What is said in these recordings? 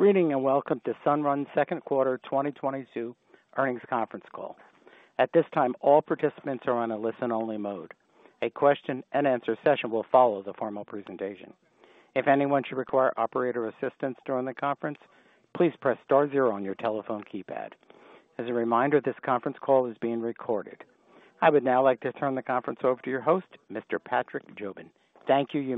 Good evening, and welcome to Sunrun's second quarter 2022 earnings conference call. At this time, all participants are on a listen only mode. A question and answer session will follow the formal presentation. If anyone should require operator assistance during the conference, please press star zero on your telephone keypad. As a reminder, this conference call is being recorded. I would now like to turn the conference over to your host, Mr. Patrick Jobin. Thank you. You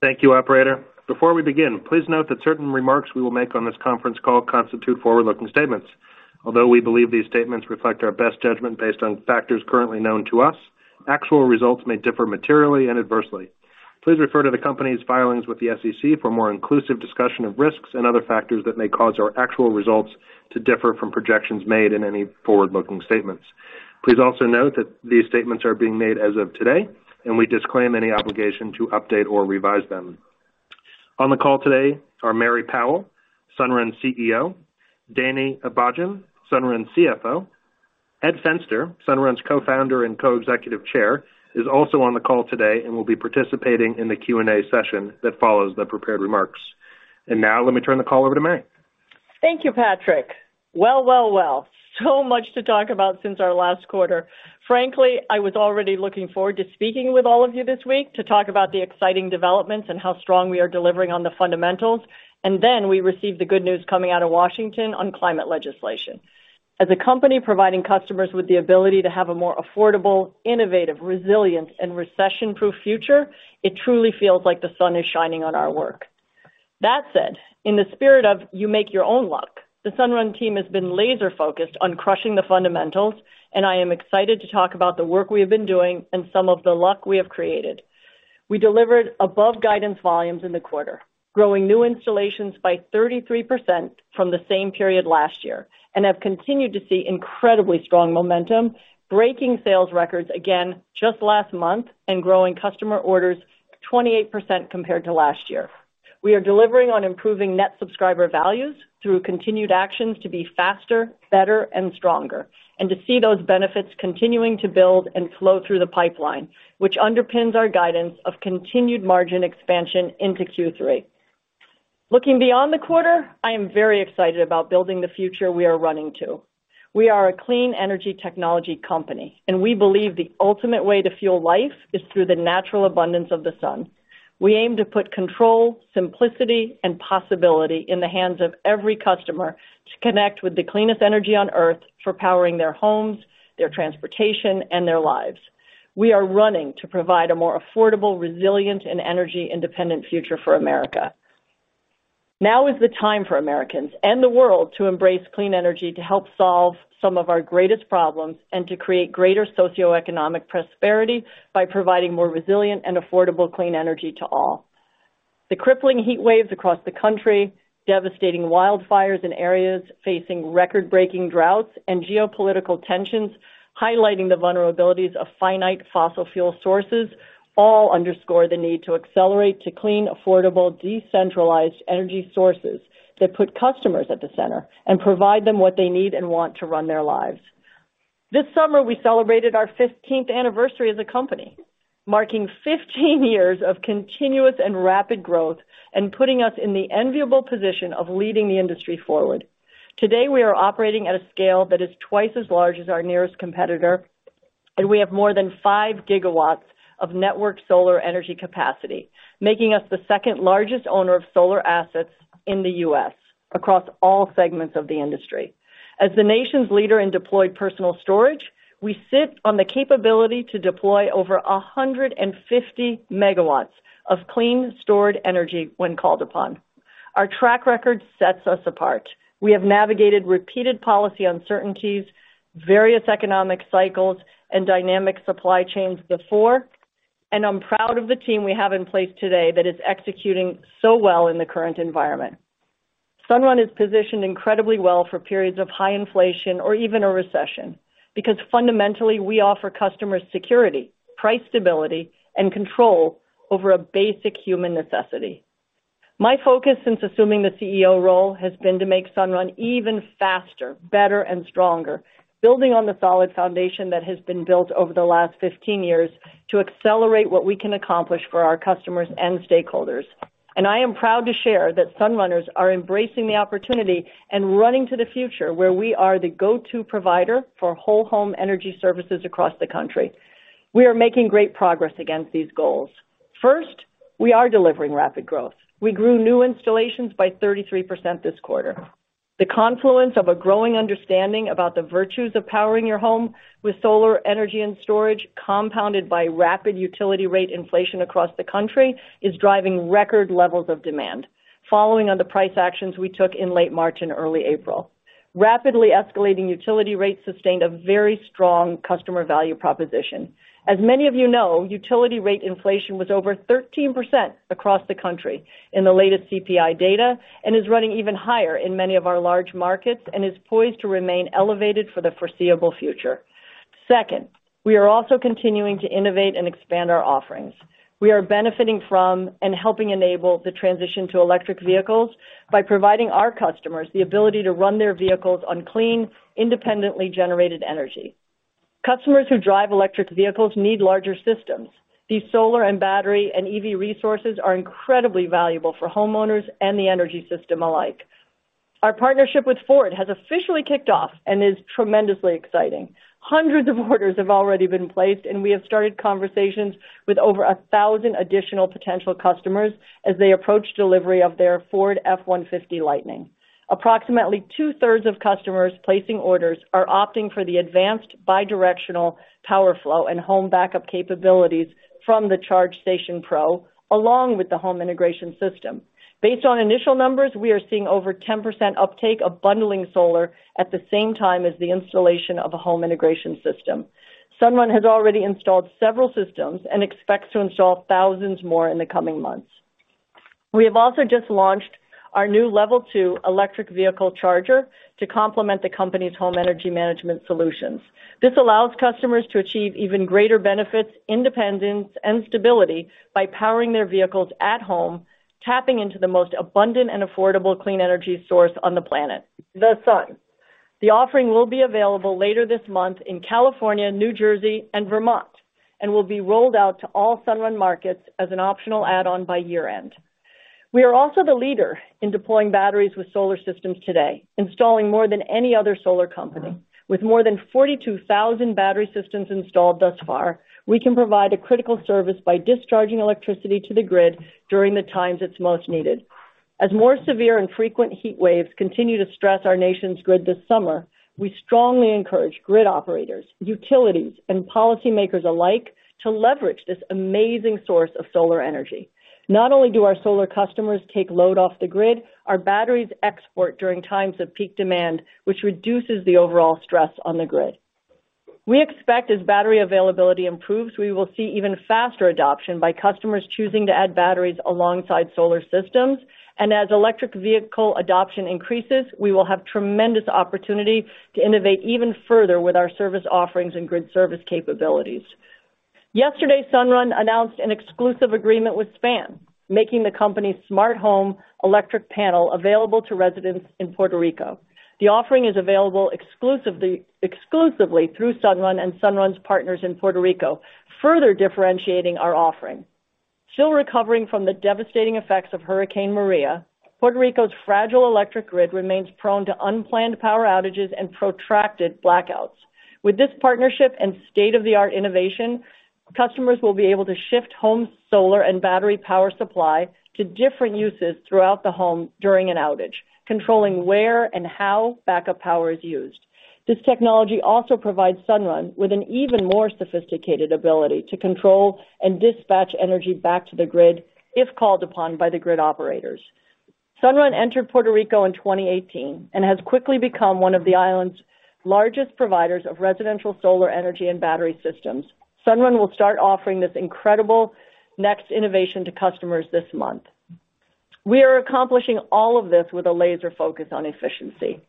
may begin. Thank you, operator. Before we begin, please note that certain remarks we will make on this conference call constitute forward-looking statements. Although we believe these statements reflect our best judgment based on factors currently known to us, actual results may differ materially and adversely. Please refer to the company's filings with the SEC for a more inclusive discussion of risks and other factors that may cause our actual results to differ from projections made in any forward-looking statements. Please also note that these statements are being made as of today, and we disclaim any obligation to update or revise them. On the call today are Mary Powell, Sunrun's CEO, Danny Abajian, Sunrun's CFO. Ed Fenster, Sunrun's Co-Founder and Co-Executive Chair is also on the call today and will be participating in the Q&A session that follows the prepared remarks. Now let me turn the call over to Mary. Thank you, Patrick. Well, well, well. So much to talk about since our last quarter. Frankly, I was already looking forward to speaking with all of you this week to talk about the exciting developments and how strong we are delivering on the fundamentals, and then we received the good news coming out of Washington on climate legislation. As a company providing customers with the ability to have a more affordable, innovative, resilient, and recession-proof future, it truly feels like the sun is shining on our work. That said, in the spirit of you make your own luck, the Sunrun team has been laser-focused on crushing the fundamentals, and I am excited to talk about the work we have been doing and some of the luck we have created. We delivered above guidance volumes in the quarter, growing new installations by 33% from the same period last year, and have continued to see incredibly strong momentum, breaking sales records again just last month and growing customer orders 28% compared to last year. We are delivering on improving net subscriber values through continued actions to be faster, better, and stronger, and to see those benefits continuing to build and flow through the pipeline, which underpins our guidance of continued margin expansion into Q3. Looking beyond the quarter, I am very excited about building the future we are running to. We are a clean energy technology company, and we believe the ultimate way to fuel life is through the natural abundance of the sun. We aim to put control, simplicity, and possibility in the hands of every customer to connect with the cleanest energy on Earth for powering their homes, their transportation, and their lives. We are running to provide a more affordable, resilient, and energy-independent future for America. Now is the time for Americans and the world to embrace clean energy to help solve some of our greatest problems and to create greater socioeconomic prosperity by providing more resilient and affordable clean energy to all. The crippling heat waves across the country, devastating wildfires in areas facing record-breaking droughts and geopolitical tensions, highlighting the vulnerabilities of finite fossil fuel sources all underscore the need to accelerate to clean, affordable, decentralized energy sources that put customers at the center and provide them what they need and want to run their lives. This summer, we celebrated our 15th anniversary as a company, marking 15 years of continuous and rapid growth and putting us in the enviable position of leading the industry forward. Today, we are operating at a scale that is twice as large as our nearest competitor, and we have more than 5 GW of network solar energy capacity, making us the second largest owner of solar assets in the U.S. across all segments of the industry. As the nation's leader in deployed personal storage, we sit on the capability to deploy over 150 MW of clean stored energy when called upon. Our track record sets us apart. We have navigated repeated policy uncertainties, various economic cycles, and dynamic supply chains before, and I'm proud of the team we have in place today that is executing so well in the current environment. Sunrun is positioned incredibly well for periods of high inflation or even a recession because fundamentally, we offer customers security, price stability, and control over a basic human necessity. My focus since assuming the CEO role has been to make Sunrun even faster, better, and stronger, building on the solid foundation that has been built over the last 15 years to accelerate what we can accomplish for our customers and stakeholders. I am proud to share that Sunrunners are embracing the opportunity and running to the future where we are the go-to provider for whole home energy services across the country. We are making great progress against these goals. First, we are delivering rapid growth. We grew new installations by 33% this quarter. The confluence of a growing understanding about the virtues of powering your home with solar energy and storage, compounded by rapid utility rate inflation across the country, is driving record levels of demand following on the price actions we took in late March and early April. Rapidly escalating utility rates sustained a very strong customer value proposition. As many of you know, utility rate inflation was over 13% across the country in the latest CPI data and is running even higher in many of our large markets and is poised to remain elevated for the foreseeable future. Second, we are also continuing to innovate and expand our offerings. We are benefiting from and helping enable the transition to electric vehicles by providing our customers the ability to run their vehicles on clean, independently generated energy. Customers who drive electric vehicles need larger systems. These solar and battery and EV resources are incredibly valuable for homeowners and the energy system alike. Our partnership with Ford has officially kicked off and is tremendously exciting. Hundreds of orders have already been placed, and we have started conversations with over 1,000 additional potential customers as they approach delivery of their Ford F-150 Lightning. Approximately 2/3 of customers placing orders are opting for the advanced bi-directional power flow and home backup capabilities from the Ford Charge Station Pro, along with the Home Integration System. Based on initial numbers, we are seeing over 10% uptake of bundling solar at the same time as the installation of a Home Integration System. Sunrun has already installed several systems and expects to install thousands more in the coming months. We have also just launched our new Level 2 electric vehicle charger to complement the company's home energy management solutions. This allows customers to achieve even greater benefits, independence, and stability by powering their vehicles at home, tapping into the most abundant and affordable clean energy source on the planet, the sun. The offering will be available later this month in California, New Jersey, and Vermont, and will be rolled out to all Sunrun markets as an optional add-on by year-end. We are also the leader in deploying batteries with solar systems today, installing more than any other solar company. With more than 42,000 battery systems installed thus far, we can provide a critical service by discharging electricity to the grid during the times it's most needed. As more severe and frequent heat waves continue to stress our nation's grid this summer, we strongly encourage grid operators, utilities, and policymakers alike to leverage this amazing source of solar energy. Not only do our solar customers take load off the grid, our batteries export during times of peak demand, which reduces the overall stress on the grid. We expect as battery availability improves, we will see even faster adoption by customers choosing to add batteries alongside solar systems. As electric vehicle adoption increases, we will have tremendous opportunity to innovate even further with our service offerings and grid service capabilities. Yesterday, Sunrun announced an exclusive agreement with Span, making the company's smart home electric panel available to residents in Puerto Rico. The offering is available exclusively through Sunrun and Sunrun's partners in Puerto Rico, further differentiating our offering. Still recovering from the devastating effects of Hurricane Maria, Puerto Rico's fragile electric grid remains prone to unplanned power outages and protracted blackouts. With this partnership and state-of-the-art innovation, customers will be able to shift home solar and battery power supply to different uses throughout the home during an outage, controlling where and how backup power is used. This technology also provides Sunrun with an even more sophisticated ability to control and dispatch energy back to the grid if called upon by the grid operators. Sunrun entered Puerto Rico in 2018 and has quickly become one of the island's largest providers of residential solar energy and battery systems. Sunrun will start offering this incredible next innovation to customers this month. We are accomplishing all of this with a laser focus on efficiency.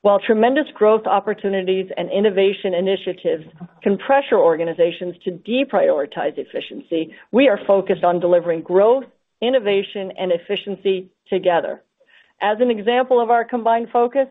While tremendous growth opportunities and innovation initiatives can pressure organizations to deprioritize efficiency, we are focused on delivering growth, innovation, and efficiency together. As an example of our combined focus,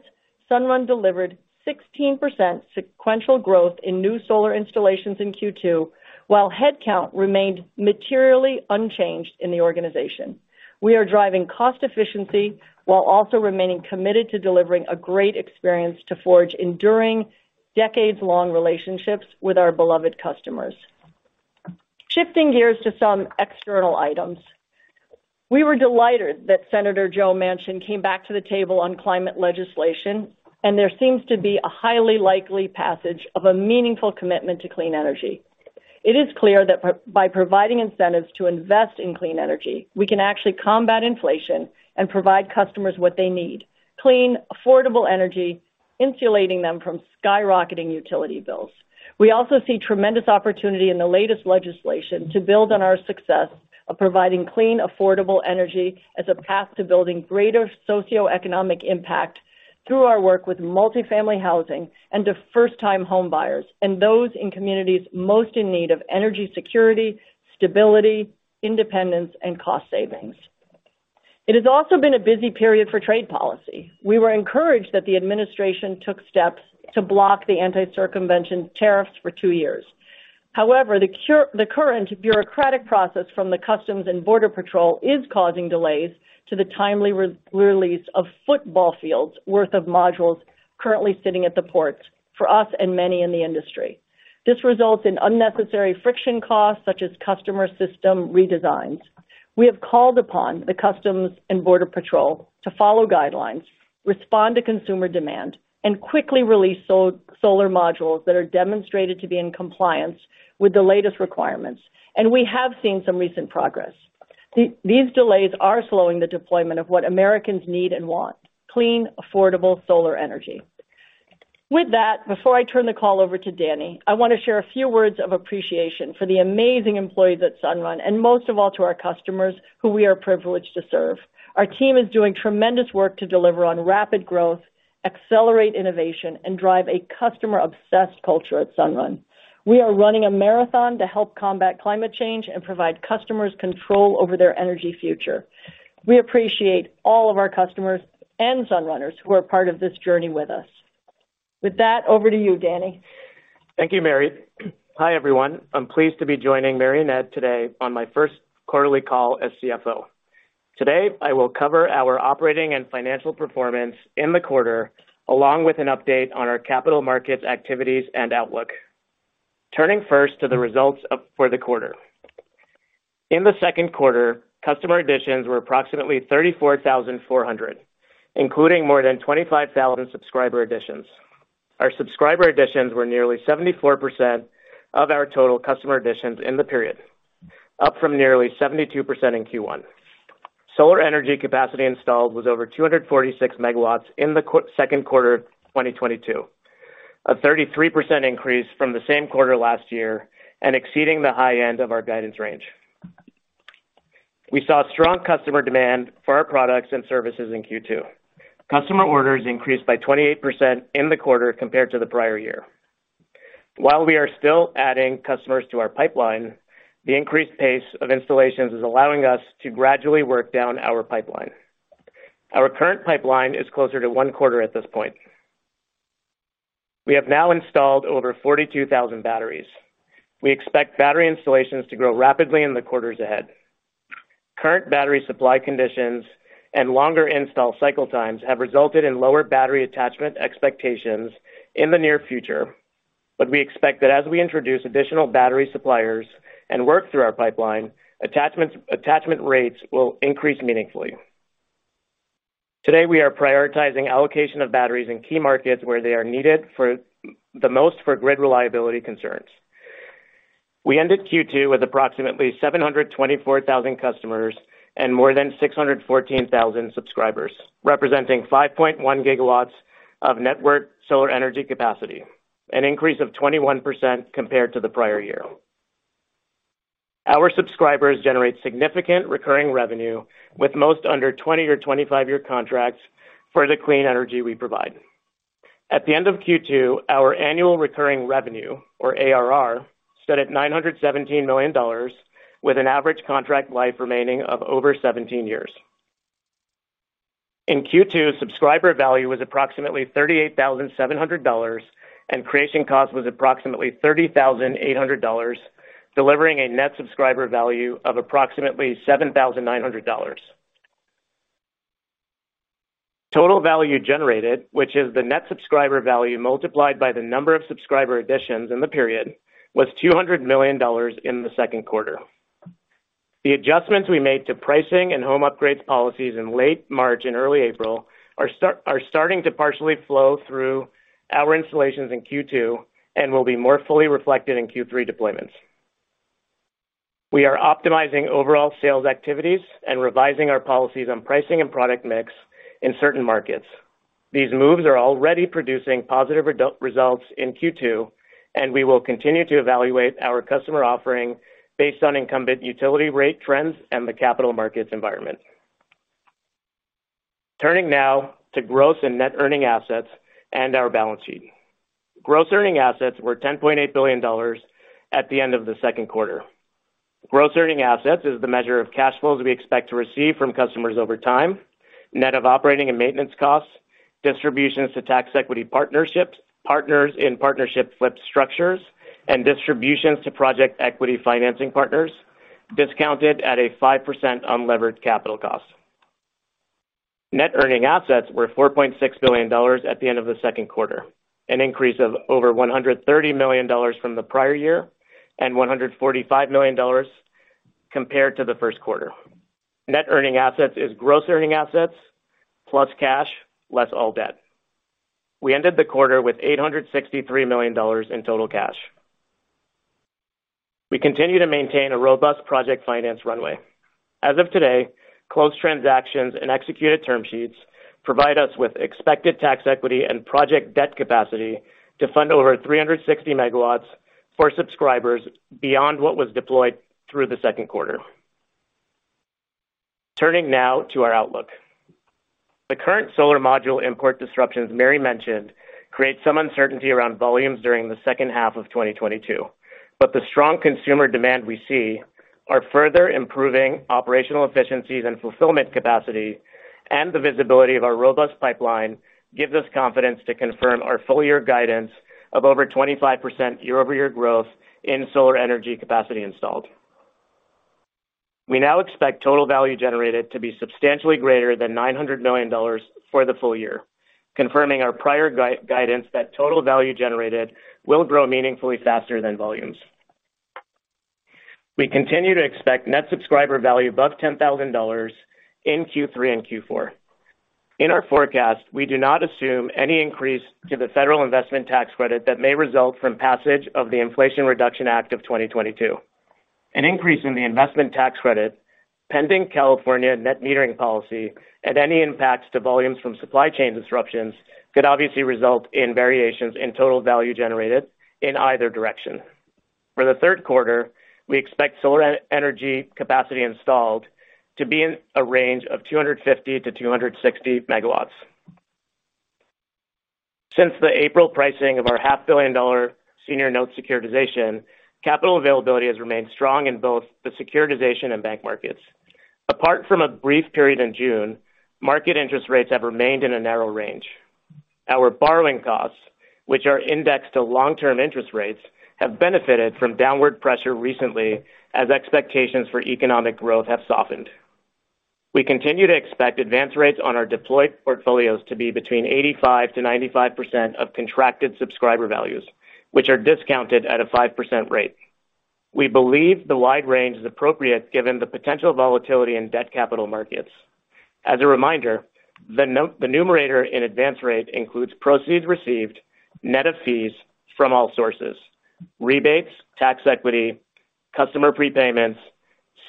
Sunrun delivered 16% sequential growth in new solar installations in Q2, while headcount remained materially unchanged in the organization. We are driving cost efficiency while also remaining committed to delivering a great experience to forge enduring decades-long relationships with our beloved customers. Shifting gears to some external items. We were delighted that Senator Joe Manchin came back to the table on climate legislation, and there seems to be a highly likely passage of a meaningful commitment to clean energy. It is clear that by providing incentives to invest in clean energy, we can actually combat inflation and provide customers what they need, clean, affordable energy, insulating them from skyrocketing utility bills. We also see tremendous opportunity in the latest legislation to build on our success of providing clean, affordable energy as a path to building greater socioeconomic impact through our work with multifamily housing and to first-time homebuyers and those in communities most in need of energy security, stability, independence, and cost savings. It has also been a busy period for trade policy. We were encouraged that the administration took steps to block the anti-circumvention tariffs for two years. However, the current bureaucratic process from the U.S. Customs and Border Protection is causing delays to the timely re-release of football fields worth of modules currently sitting at the ports for us and many in the industry. This results in unnecessary friction costs such as customer system redesigns. We have called upon the U.S. Customs and Border Protection to follow guidelines, respond to consumer demand, and quickly release solar modules that are demonstrated to be in compliance with the latest requirements, and we have seen some recent progress. These delays are slowing the deployment of what Americans need and want, clean, affordable solar energy. With that, before I turn the call over to Danny, I want to share a few words of appreciation for the amazing employees at Sunrun, and most of all to our customers who we are privileged to serve. Our team is doing tremendous work to deliver on rapid growth, accelerate innovation, and drive a customer-obsessed culture at Sunrun. We are running a marathon to help combat climate change and provide customers control over their energy future. We appreciate all of our customers and Sunrunners who are part of this journey with us. With that, over to you, Danny. Thank you, Mary. Hi, everyone. I'm pleased to be joining Mary and Ed today on my first quarterly call as CFO. Today, I will cover our operating and financial performance in the quarter, along with an update on our capital markets activities and outlook. Turning first to the results for the quarter. In the second quarter, customer additions were approximately 34,400, including more than 25,000 subscriber additions. Our subscriber additions were nearly 74% of our total customer additions in the period, up from nearly 72% in Q1. Solar energy capacity installed was over 246 MW in the second quarter 2022, a 33% increase from the same quarter last year and exceeding the high end of our guidance range. We saw strong customer demand for our products and services in Q2. Customer orders increased by 28% in the quarter compared to the prior year. While we are still adding customers to our pipeline, the increased pace of installations is allowing us to gradually work down our pipeline. Our current pipeline is closer to one quarter at this point. We have now installed over 42,000 batteries. We expect battery installations to grow rapidly in the quarters ahead. Current battery supply conditions and longer install cycle times have resulted in lower battery attachment expectations in the near future, but we expect that as we introduce additional battery suppliers and work through our pipeline, attachments, attachment rates will increase meaningfully. Today, we are prioritizing allocation of batteries in key markets where they are needed for the most for grid reliability concerns. We ended Q2 with approximately 724,000 customers and more than 614,000 subscribers, representing 5.1 GW of network solar energy capacity, an increase of 21% compared to the prior year. Our subscribers generate significant recurring revenue with most under 20- or 25-year contracts for the clean energy we provide. At the end of Q2, our annual recurring revenue or ARR stood at $917 million with an average contract life remaining of over 17 years. In Q2, subscriber value was approximately $38,700, and creation cost was approximately $30,800, delivering a net subscriber value of approximately $7,900. Total value generated, which is the net subscriber value multiplied by the number of subscriber additions in the period, was $200 million in the second quarter. The adjustments we made to pricing and home upgrades policies in late March and early April are starting to partially flow through our installations in Q2 and will be more fully reflected in Q3 deployments. We are optimizing overall sales activities and revising our policies on pricing and product mix in certain markets. These moves are already producing positive results in Q2, and we will continue to evaluate our customer offering based on incumbent utility rate trends and the capital markets environment. Turning now to Gross Earning Assets and Net Earning Assets and our balance sheet. Gross Earning Assets were $10.8 billion at the end of the second quarter. Gross Earning Assets is the measure of cash flows we expect to receive from customers over time, net of operating and maintenance costs, distributions to tax equity partnerships, partners in partnership flip structures, and distributions to project equity financing partners discounted at a 5% unlevered capital cost. Net Earning Assets were $4.6 billion at the end of the second quarter, an increase of over $130 million from the prior year and $145 million compared to the first quarter. Net Earning Assets is Gross Earning Assets, plus cash, less all debt. We ended the quarter with $863 million in total cash. We continue to maintain a robust project finance runway. As of today, closed transactions and executed term sheets provide us with expected tax equity and project debt capacity to fund over 360 MW for subscribers beyond what was deployed through the second quarter. Turning now to our outlook. The current solar module import disruptions Mary mentioned create some uncertainty around volumes during the second half of 2022. The strong consumer demand we see are further improving operational efficiencies and fulfillment capacity, and the visibility of our robust pipeline gives us confidence to confirm our full year guidance of over 25% year-over-year growth in solar energy capacity installed. We now expect total value generated to be substantially greater than $900 million for the full year, confirming our prior guidance that total value generated will grow meaningfully faster than volumes. We continue to expect Net Subscriber Value above $10,000 in Q3 and Q4. In our forecast, we do not assume any increase to the federal investment tax credit that may result from passage of the Inflation Reduction Act of 2022. An increase in the investment tax credit, pending California net metering policy and any impacts to volumes from supply chain disruptions could obviously result in variations in Total Value Generated in either direction. For the third quarter, we expect solar energy capacity installed to be in a range of 250 MW-260 MW. Since the April pricing of our half billion dollar senior note securitization, capital availability has remained strong in both the securitization and bank markets. Apart from a brief period in June, market interest rates have remained in a narrow range. Our borrowing costs, which are indexed to long-term interest rates, have benefited from downward pressure recently as expectations for economic growth have softened. We continue to expect advance rates on our deployed portfolios to be between 85%-95% of contracted subscriber values, which are discounted at a 5% rate. We believe the wide range is appropriate given the potential volatility in debt capital markets. As a reminder, the numerator in advance rate includes proceeds received net of fees from all sources, rebates, tax equity, customer prepayments,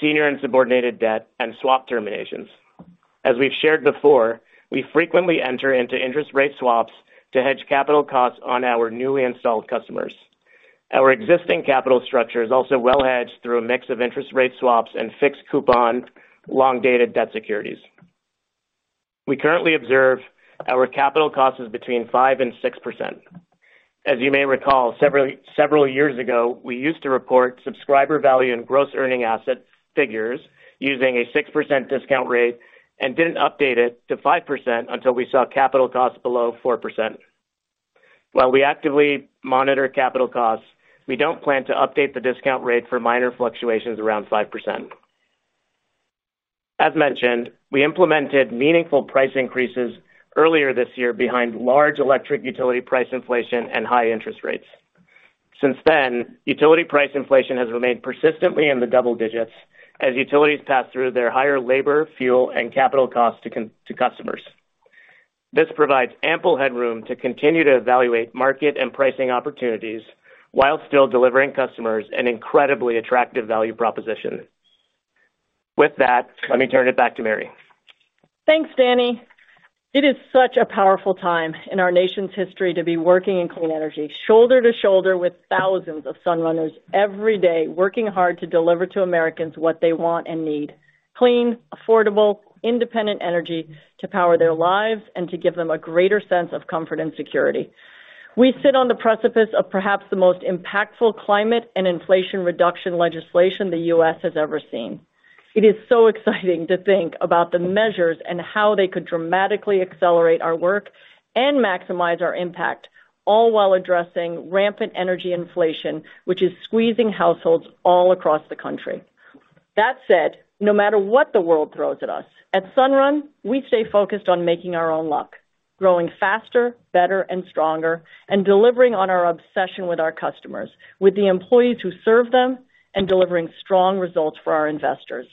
senior and subordinated debt, and swap terminations. As we've shared before, we frequently enter into interest rate swaps to hedge capital costs on our newly installed customers. Our existing capital structure is also well hedged through a mix of interest rate swaps and fixed coupon long-dated debt securities. We currently observe our capital costs is between 5%-6%. As you may recall, several years ago, we used to report subscriber value and Gross Earning Assets figures using a 6% discount rate and didn't update it to 5% until we saw capital costs below 4%. While we actively monitor capital costs, we don't plan to update the discount rate for minor fluctuations around 5%. As mentioned, we implemented meaningful price increases earlier this year behind large electric utility price inflation and high interest rates. Since then, utility price inflation has remained persistently in the double digits as utilities pass through their higher labor, fuel, and capital costs to customers. This provides ample headroom to continue to evaluate market and pricing opportunities while still delivering customers an incredibly attractive value proposition. With that, let me turn it back to Mary. Thanks, Danny. It is such a powerful time in our nation's history to be working in clean energy, shoulder to shoulder with 1000s of Sunrunners every day, working hard to deliver to Americans what they want and need. Clean, affordable, independent energy to power their lives and to give them a greater sense of comfort and security. We sit on the precipice of perhaps the most impactful climate and inflation reduction legislation the U.S. has ever seen. It is so exciting to think about the measures and how they could dramatically accelerate our work and maximize our impact, all while addressing rampant energy inflation, which is squeezing households all across the country. That said, no matter what the world throws at us, at Sunrun, we stay focused on making our own luck, growing faster, better and stronger, and delivering on our obsession with our customers, with the employees who serve them, and delivering strong results for our investors.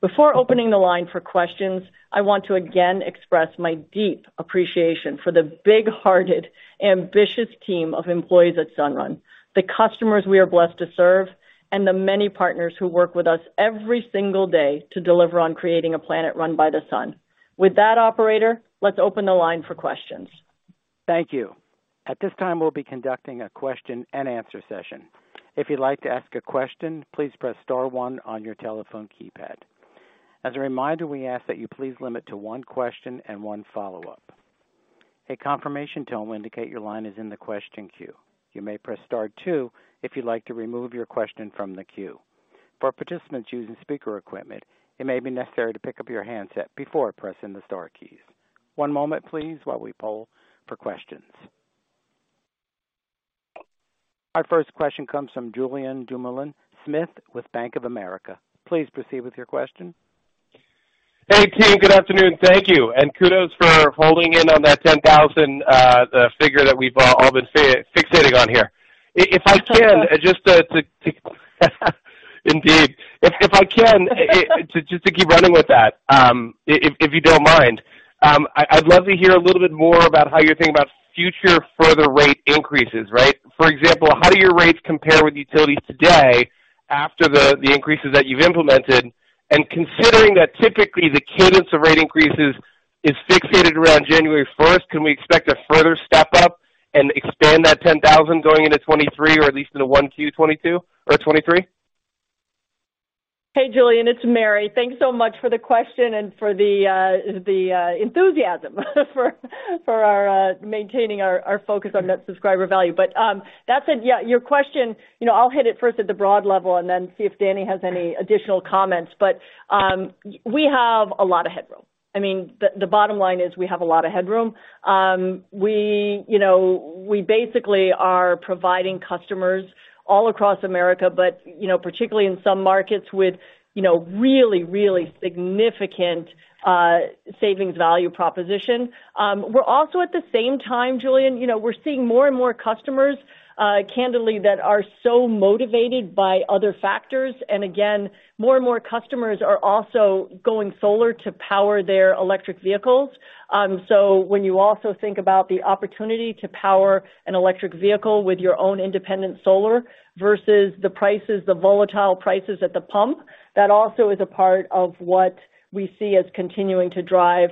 Before opening the line for questions, I want to again express my deep appreciation for the big-hearted, ambitious team of employees at Sunrun, the customers we are blessed to serve, and the many partners who work with us every single day to deliver on creating a planet run by the sun. With that, operator, let's open the line for questions. Thank you. At this time, we'll be conducting a question and answer session. If you'd like to ask a question, please press star one on your telephone keypad. As a reminder, we ask that you please limit to one question and one follow-up. A confirmation tone will indicate your line is in the question queue. You may press star two if you'd like to remove your question from the queue. For participants using speaker equipment, it may be necessary to pick up your handset before pressing the star keys. One moment, please, while we poll for questions. Our first question comes from Julien Dumoulin-Smith with Bank of America. Please proceed with your question. Hey, team. Good afternoon. Thank you, and kudos for holding on to that 10,000 figure that we've all been fixating on here. If I can just keep running with that, if you don't mind, I'd love to hear a little bit more about how you're thinking about future further rate increases, right? For example, how do your rates compare with utilities today after the increases that you've implemented? Considering that typically the cadence of rate increases is fixated around January first, can we expect a further step up and expand that 10,000 going into 2023 or at least into 1Q 2022 or 2023? Hey, Julien. It's Mary. Thanks so much for the question and for the enthusiasm for maintaining our focus on that subscriber value. That said, yeah, your question, you know, I'll hit it first at the broad level and then see if Danny has any additional comments. We have a lot of headroom. I mean, the bottom line is we have a lot of headroom. You know, we basically are providing customers all across America, but, you know, particularly in some markets with, you know, really significant savings value proposition. We're also at the same time, Julien, you know, we're seeing more and more customers candidly that are so motivated by other factors. Again, more and more customers are also going solar to power their electric vehicles. When you also think about the opportunity to power an electric vehicle with your own independent solar versus the prices, the volatile prices at the pump, that also is a part of what we see as continuing to drive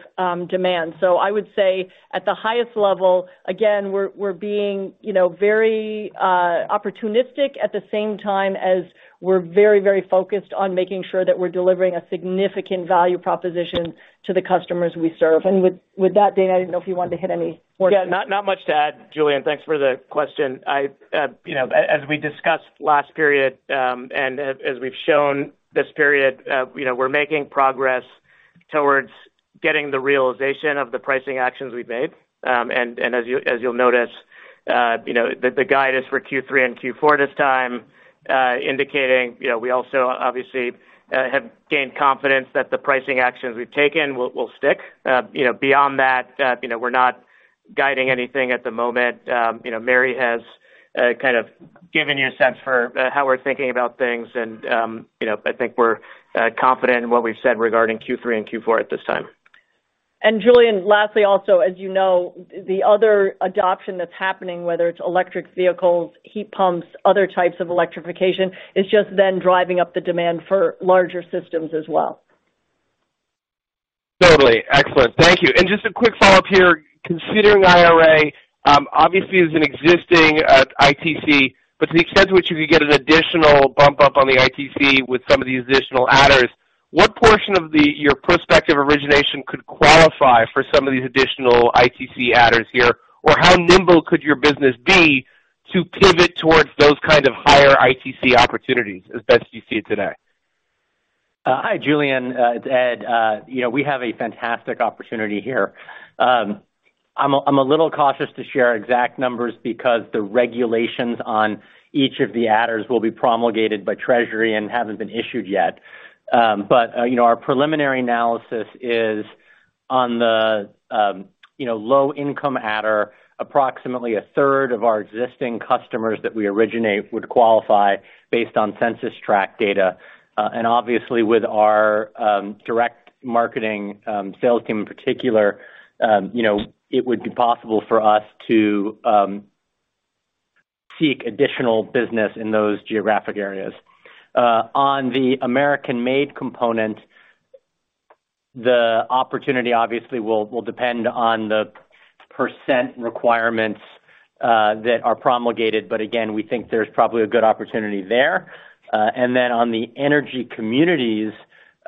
demand. I would say at the highest level, again, we're being, you know, very opportunistic at the same time as we're very, very focused on making sure that we're delivering a significant value proposition to the customers we serve. With that, Danny, I didn't know if you wanted to hit any more. Yeah, not much to add, Julien. Thanks for the question. You know, as we discussed last period, and as we've shown this period, you know, we're making progress towards getting the realization of the pricing actions we've made. And as you'll notice, you know, the guidance for Q3 and Q4 this time indicating you know we also obviously have gained confidence that the pricing actions we've taken will stick. You know, beyond that, you know, we're not guiding anything at the moment. You know, Mary has kind of given you a sense for how we're thinking about things, and you know, I think we're confident in what we've said regarding Q3 and Q4 at this time. Julien, lastly, also, as you know, the other adoption that's happening, whether it's electric vehicles, heat pumps, other types of electrification, is just then driving up the demand for larger systems as well. Totally. Excellent. Thank you. Just a quick follow-up here. Considering IRA, obviously as an existing ITC, but to the extent to which you could get an additional bump up on the ITC with some of these additional adders, what portion of your prospective origination could qualify for some of these additional ITC adders here? Or how nimble could your business be to pivot towards those kind of higher ITC opportunities as best you see it today? Hi, Julien. It's Ed. You know, we have a fantastic opportunity here. I'm a little cautious to share exact numbers because the regulations on each of the adders will be promulgated by Treasury and haven't been issued yet. You know, our preliminary analysis is on the low income adder, approximately a third of our existing customers that we originate would qualify based on census tract data. Obviously with our direct marketing sales team in particular, you know, it would be possible for us to seek additional business in those geographic areas. On the American Made component, the opportunity obviously will depend on the percent requirements that are promulgated, but again, we think there's probably a good opportunity there. On the energy communities,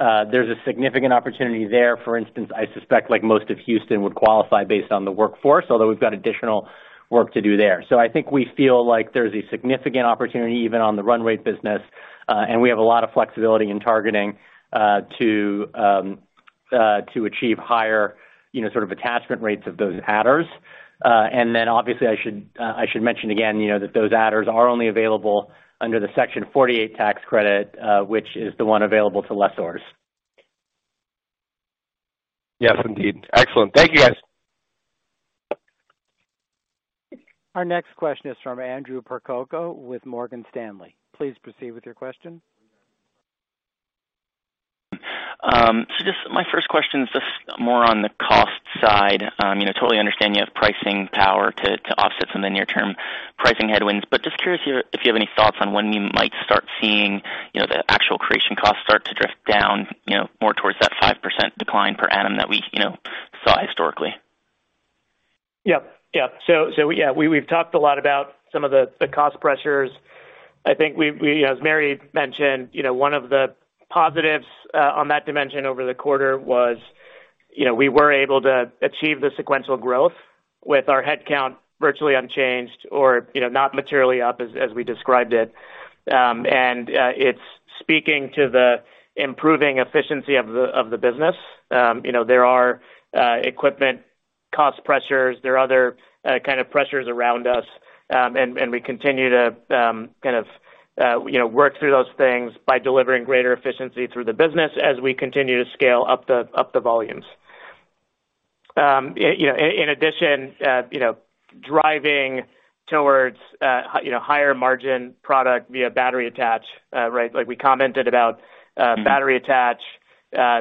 there's a significant opportunity there. For instance, I suspect like most of Houston would qualify based on the workforce, although we've got additional work to do there. I think we feel like there's a significant opportunity even on the run rate business, and we have a lot of flexibility in targeting to achieve higher, you know, sort of attachment rates of those adders. Obviously I should mention again, you know, that those adders are only available under the Section 48 tax credit, which is the one available to lessors. Yes, indeed. Excellent. Thank you, guys. Our next question is from Andrew Percoco with Morgan Stanley. Please proceed with your question. Just my first question is just more on the cost side. You know, totally understand you have pricing power to offset some of the near term pricing headwinds, but just curious here if you have any thoughts on when you might start seeing, you know, the actual acquisition costs start to drift down, you know, more towards that 5% decline per annum that we, you know, saw historically. Yeah, we've talked a lot about some of the cost pressures. I think as Mary mentioned, you know, one of the positives on that dimension over the quarter was, you know, we were able to achieve the sequential growth with our headcount virtually unchanged or, you know, not materially up as we described it. It's speaking to the improving efficiency of the business. You know, there are equipment cost pressures. There are other kind of pressures around us, and we continue to work through those things by delivering greater efficiency through the business as we continue to scale up the volumes. You know, in addition, driving towards higher margin product via battery attach, right? Like we commented about, battery attach,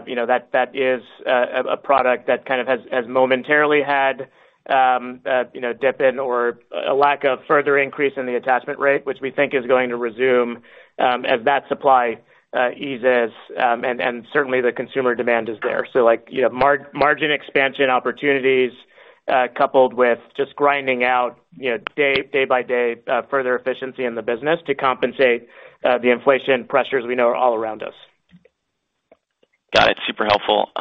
you know, that is a product that kind of has momentarily had a dip in or a lack of further increase in the attachment rate, which we think is going to resume, as that supply eases, and certainly the consumer demand is there. Like, you know, margin expansion opportunities, coupled with just grinding out, you know, day by day, further efficiency in the business to compensate the inflation pressures we know are all around us. Got it. Super helpful.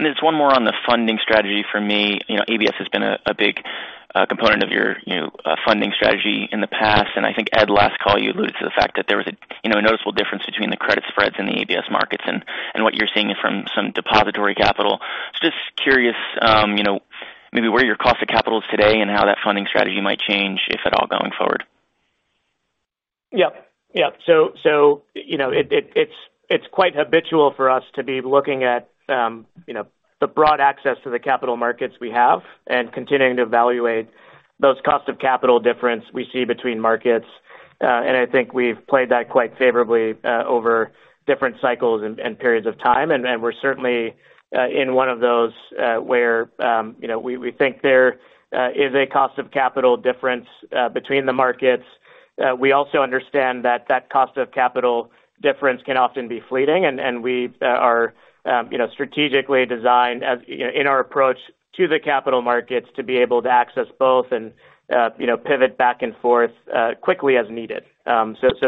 Just one more on the funding strategy for me. You know, ABS has been a big component of your, you know, funding strategy in the past. I think, Ed, last call you alluded to the fact that there was a, you know, a noticeable difference between the credit spreads in the ABS markets and what you're seeing from some depository capital. Just curious, you know, maybe where your cost of capital is today and how that funding strategy might change, if at all, going forward. You know, it's quite habitual for us to be looking at, you know, the broad access to the capital markets we have and continuing to evaluate those cost of capital difference we see between markets. I think we've played that quite favorably over different cycles and periods of time. We're certainly in one of those where, you know, we think there is a cost of capital difference between the markets. We also understand that that cost of capital difference can often be fleeting and we are, you know, strategically designed, you know, in our approach to the capital markets to be able to access both and, you know, pivot back and forth quickly as needed.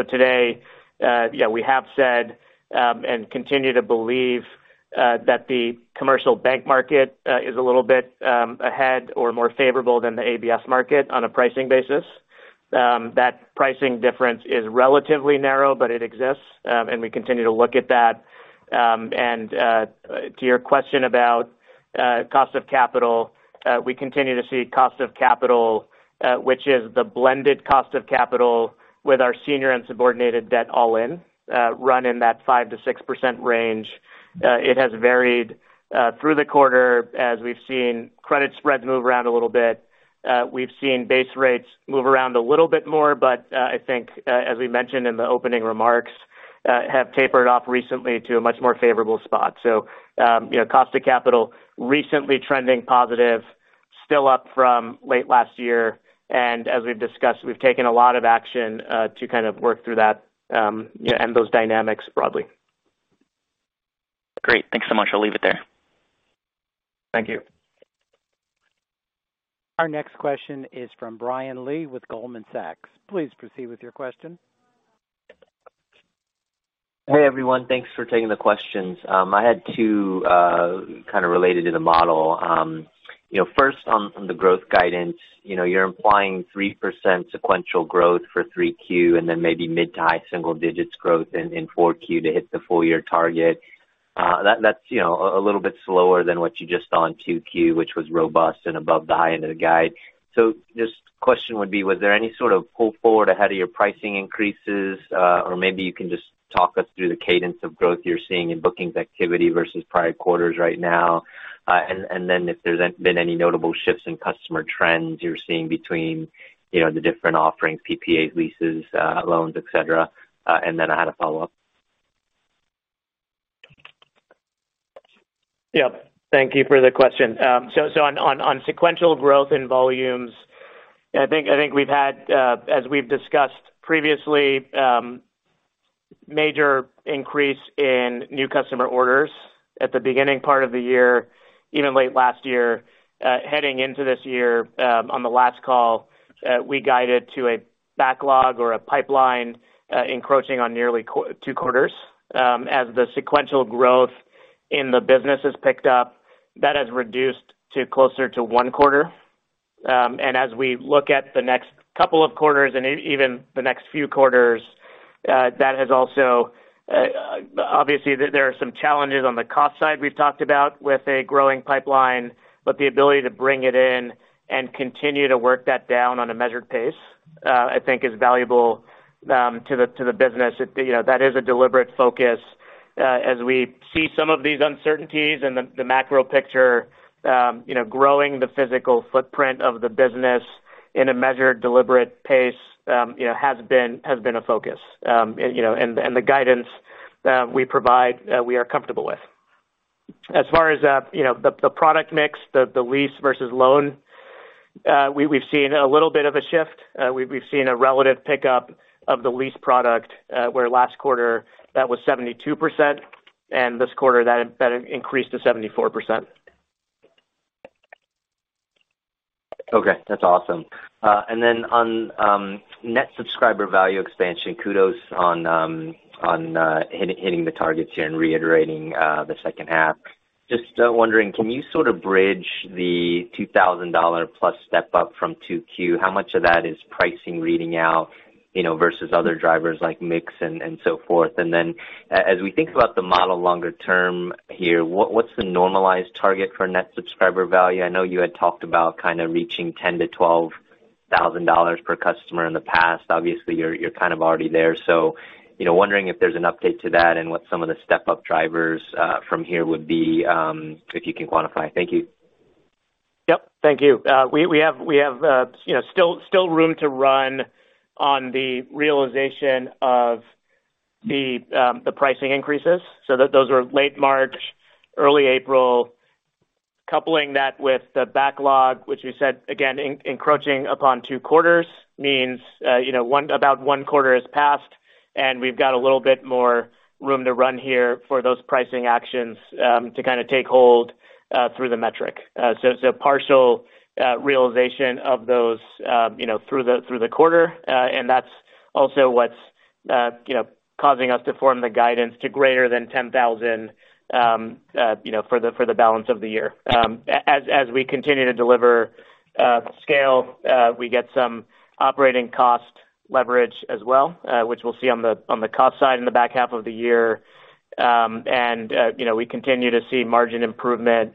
Today, yeah, we have said and continue to believe that the commercial bank market is a little bit ahead or more favorable than the ABS market on a pricing basis. That pricing difference is relatively narrow, but it exists, and we continue to look at that. To your question about cost of capital, we continue to see cost of capital, which is the blended cost of capital with our senior and subordinated debt all in, run in that 5%-6% range. It has varied through the quarter as we've seen credit spreads move around a little bit. We've seen base rates move around a little bit more, but I think as we mentioned in the opening remarks, have tapered off recently to a much more favorable spot. You know, cost of capital recently trending positive, still up from late last year. As we've discussed, we've taken a lot of action to kind of work through that and those dynamics broadly. Great. Thanks so much. I'll leave it there. Thank you. Our next question is from Brian Lee with Goldman Sachs. Please proceed with your question. Hey, everyone. Thanks for taking the questions. I had two, kind of related to the model. You know, first on the growth guidance, you know, you're implying 3% sequential growth for 3Q and then maybe mid- to high-single-digits growth in 4Q to hit the full year target. That's, you know, a little bit slower than what you just saw on 2Q, which was robust and above the high end of the guide. Just question would be, was there any sort of pull forward ahead of your pricing increases? Or maybe you can just talk us through the cadence of growth you're seeing in bookings activity versus prior quarters right now. If there's been any notable shifts in customer trends you're seeing between, you know, the different offerings, PPAs, leases, loans, et cetera. I had a follow-up. Thank you for the question. On sequential growth in volumes, I think we've had, as we've discussed previously, major increase in new customer orders at the beginning part of the year, even late last year. Heading into this year, on the last call, we guided to a backlog or a pipeline, encroaching on nearly two quarters. As the sequential growth in the business has picked up, that has reduced to closer to one quarter. As we look at the next couple of quarters and even the next few quarters, that has also obviously there are some challenges on the cost side we've talked about with a growing pipeline, but the ability to bring it in and continue to work that down on a measured pace, I think is valuable to the business. You know, that is a deliberate focus. As we see some of these uncertainties in the macro picture, you know, growing the physical footprint of the business in a measured, deliberate pace, you know, has been a focus. The guidance we provide, we are comfortable with. As far as the product mix, the lease versus loan, we've seen a little bit of a shift. We've seen a relative pickup of the lease product, where last quarter that was 72%, and this quarter that increased to 74%. Okay, that's awesome. And then on Net Subscriber Value Expansion, kudos on hitting the targets here and reiterating the second half. Just wondering, can you sort of bridge the $2,000+ step up from 2Q? How much of that is pricing reading out, you know, versus other drivers like mix and so forth? And then as we think about the model longer term here, what's the normalized target for Net Subscriber Value? I know you had talked about kind of reaching $10,000-$12,000 per customer in the past. Obviously, you're kind of already there. So, you know, wondering if there's an update to that and what some of the step-up drivers from here would be, if you can quantify. Thank you. Yep, thank you. We have, you know, still room to run on the realization of the pricing increases. Those are late March, early April. Coupling that with the backlog, which we said again encroaching upon two quarters means, you know, about one quarter has passed, and we've got a little bit more room to run here for those pricing actions to kind of take hold through the metric. Partial realization of those, you know, through the quarter. That's also what's, you know, causing us to form the guidance to greater than 10,000, you know, for the balance of the year. As we continue to deliver scale, we get some operating cost leverage as well, which we'll see on the cost side in the back half of the year. You know, we continue to see margin improvement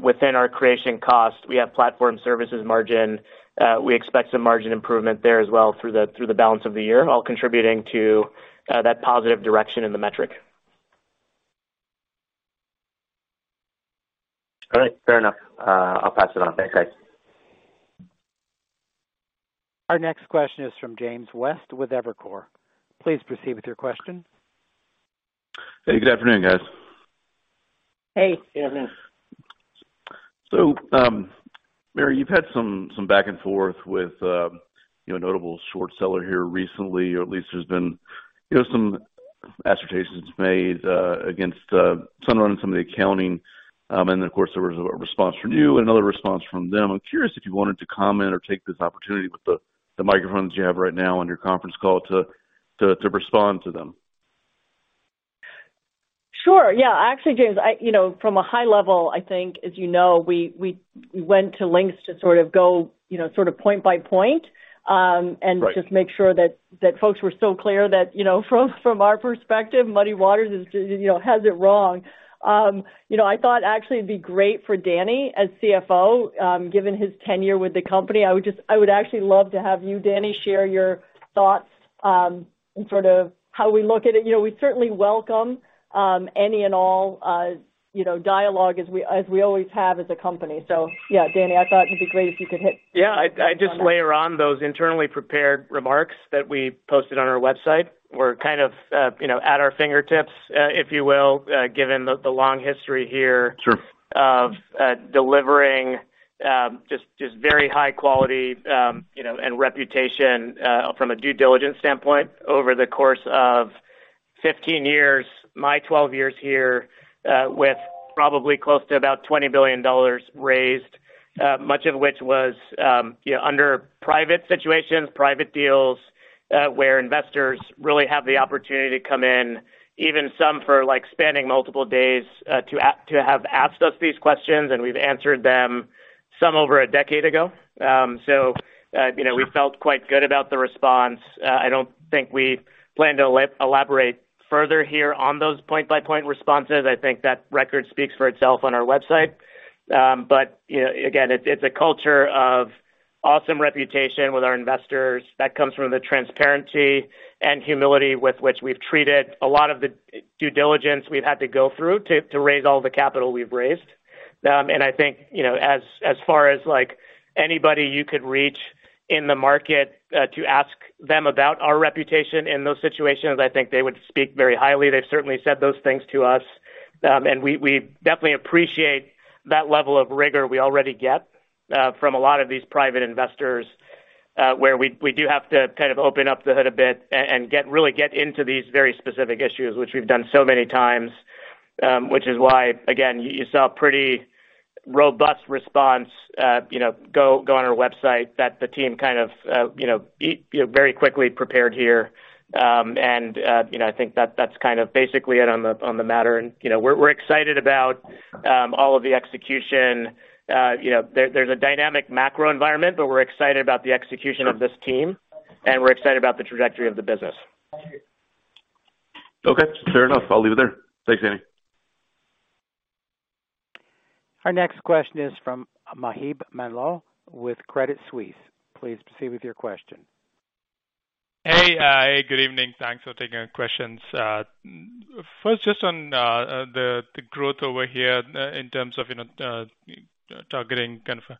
within our acquisition cost. We have platform services margin. We expect some margin improvement there as well through the balance of the year, all contributing to that positive direction in the metric. All right. Fair enough. I'll pass it on. Thanks, guys. Our next question is from James West with Evercore. Please proceed with your question. Hey, good afternoon, guys. Hey, good afternoon. Mary, you've had some back and forth with you know, a notable short seller here recently, or at least there's been you know, some assertions made against Sunrun around some of the accounting. Of course, there was a response from you and another response from them. I'm curious if you wanted to comment or take this opportunity with the microphones you have right now on your conference call to respond to them. Sure. Yeah. Actually, James, I you know, from a high level, I think as you know, we went to lengths to sort of go, you know, sort of point by point. Right. Just make sure that folks were so clear that, you know, from our perspective, Muddy Waters is, you know, has it wrong. You know, I thought actually it'd be great for Danny as CFO, given his tenure with the company. I would actually love to have you, Danny, share your thoughts on sort of how we look at it. You know, we certainly welcome any and all, you know, dialogue as we always have as a company. Yeah, Danny, I thought it'd be great if you could hit- Yeah. I'd just layer on those internally prepared remarks that we posted on our website were kind of, you know, at our fingertips, if you will, given the long history here. Sure. Of delivering just very high quality, you know, and reputation from a due diligence standpoint over the course of 15 years, my 12 years here, with probably close to about $20 billion raised, much of which was, you know, under private situations, private deals, where investors really have the opportunity to come in, even some for like spanning multiple days, to have asked us these questions, and we've answered them some over a decade ago. You know, we felt quite good about the response. I don't think we plan to elaborate further here on those point-by-point responses. I think that record speaks for itself on our website. You know, again, it's a culture of awesome reputation with our investors that comes from the transparency and humility with which we've treated a lot of the due diligence we've had to go through to raise all the capital we've raised. I think, you know, as far as like anybody you could reach in the market to ask them about our reputation in those situations, I think they would speak very highly. They've certainly said those things to us. We definitely appreciate that level of rigor we already get from a lot of these private investors, where we do have to kind of open up the hood a bit and get really into these very specific issues, which we've done so many times. Which is why, again, you saw a pretty robust response, you know, go on our website that the team kind of, you know, very quickly prepared here. I think that's kind of basically it on the matter. You know, we're excited about all of the execution. You know, there's a dynamic macro environment, but we're excited about the execution of this team, and we're excited about the trajectory of the business. Okay. Fair enough. I'll leave it there. Thanks, Danny. Our next question is from Maheep Mandloi with Credit Suisse. Please proceed with your question. Hey, good evening. Thanks for taking our questions. First, just on the growth over here in terms of, you know, targeting kind of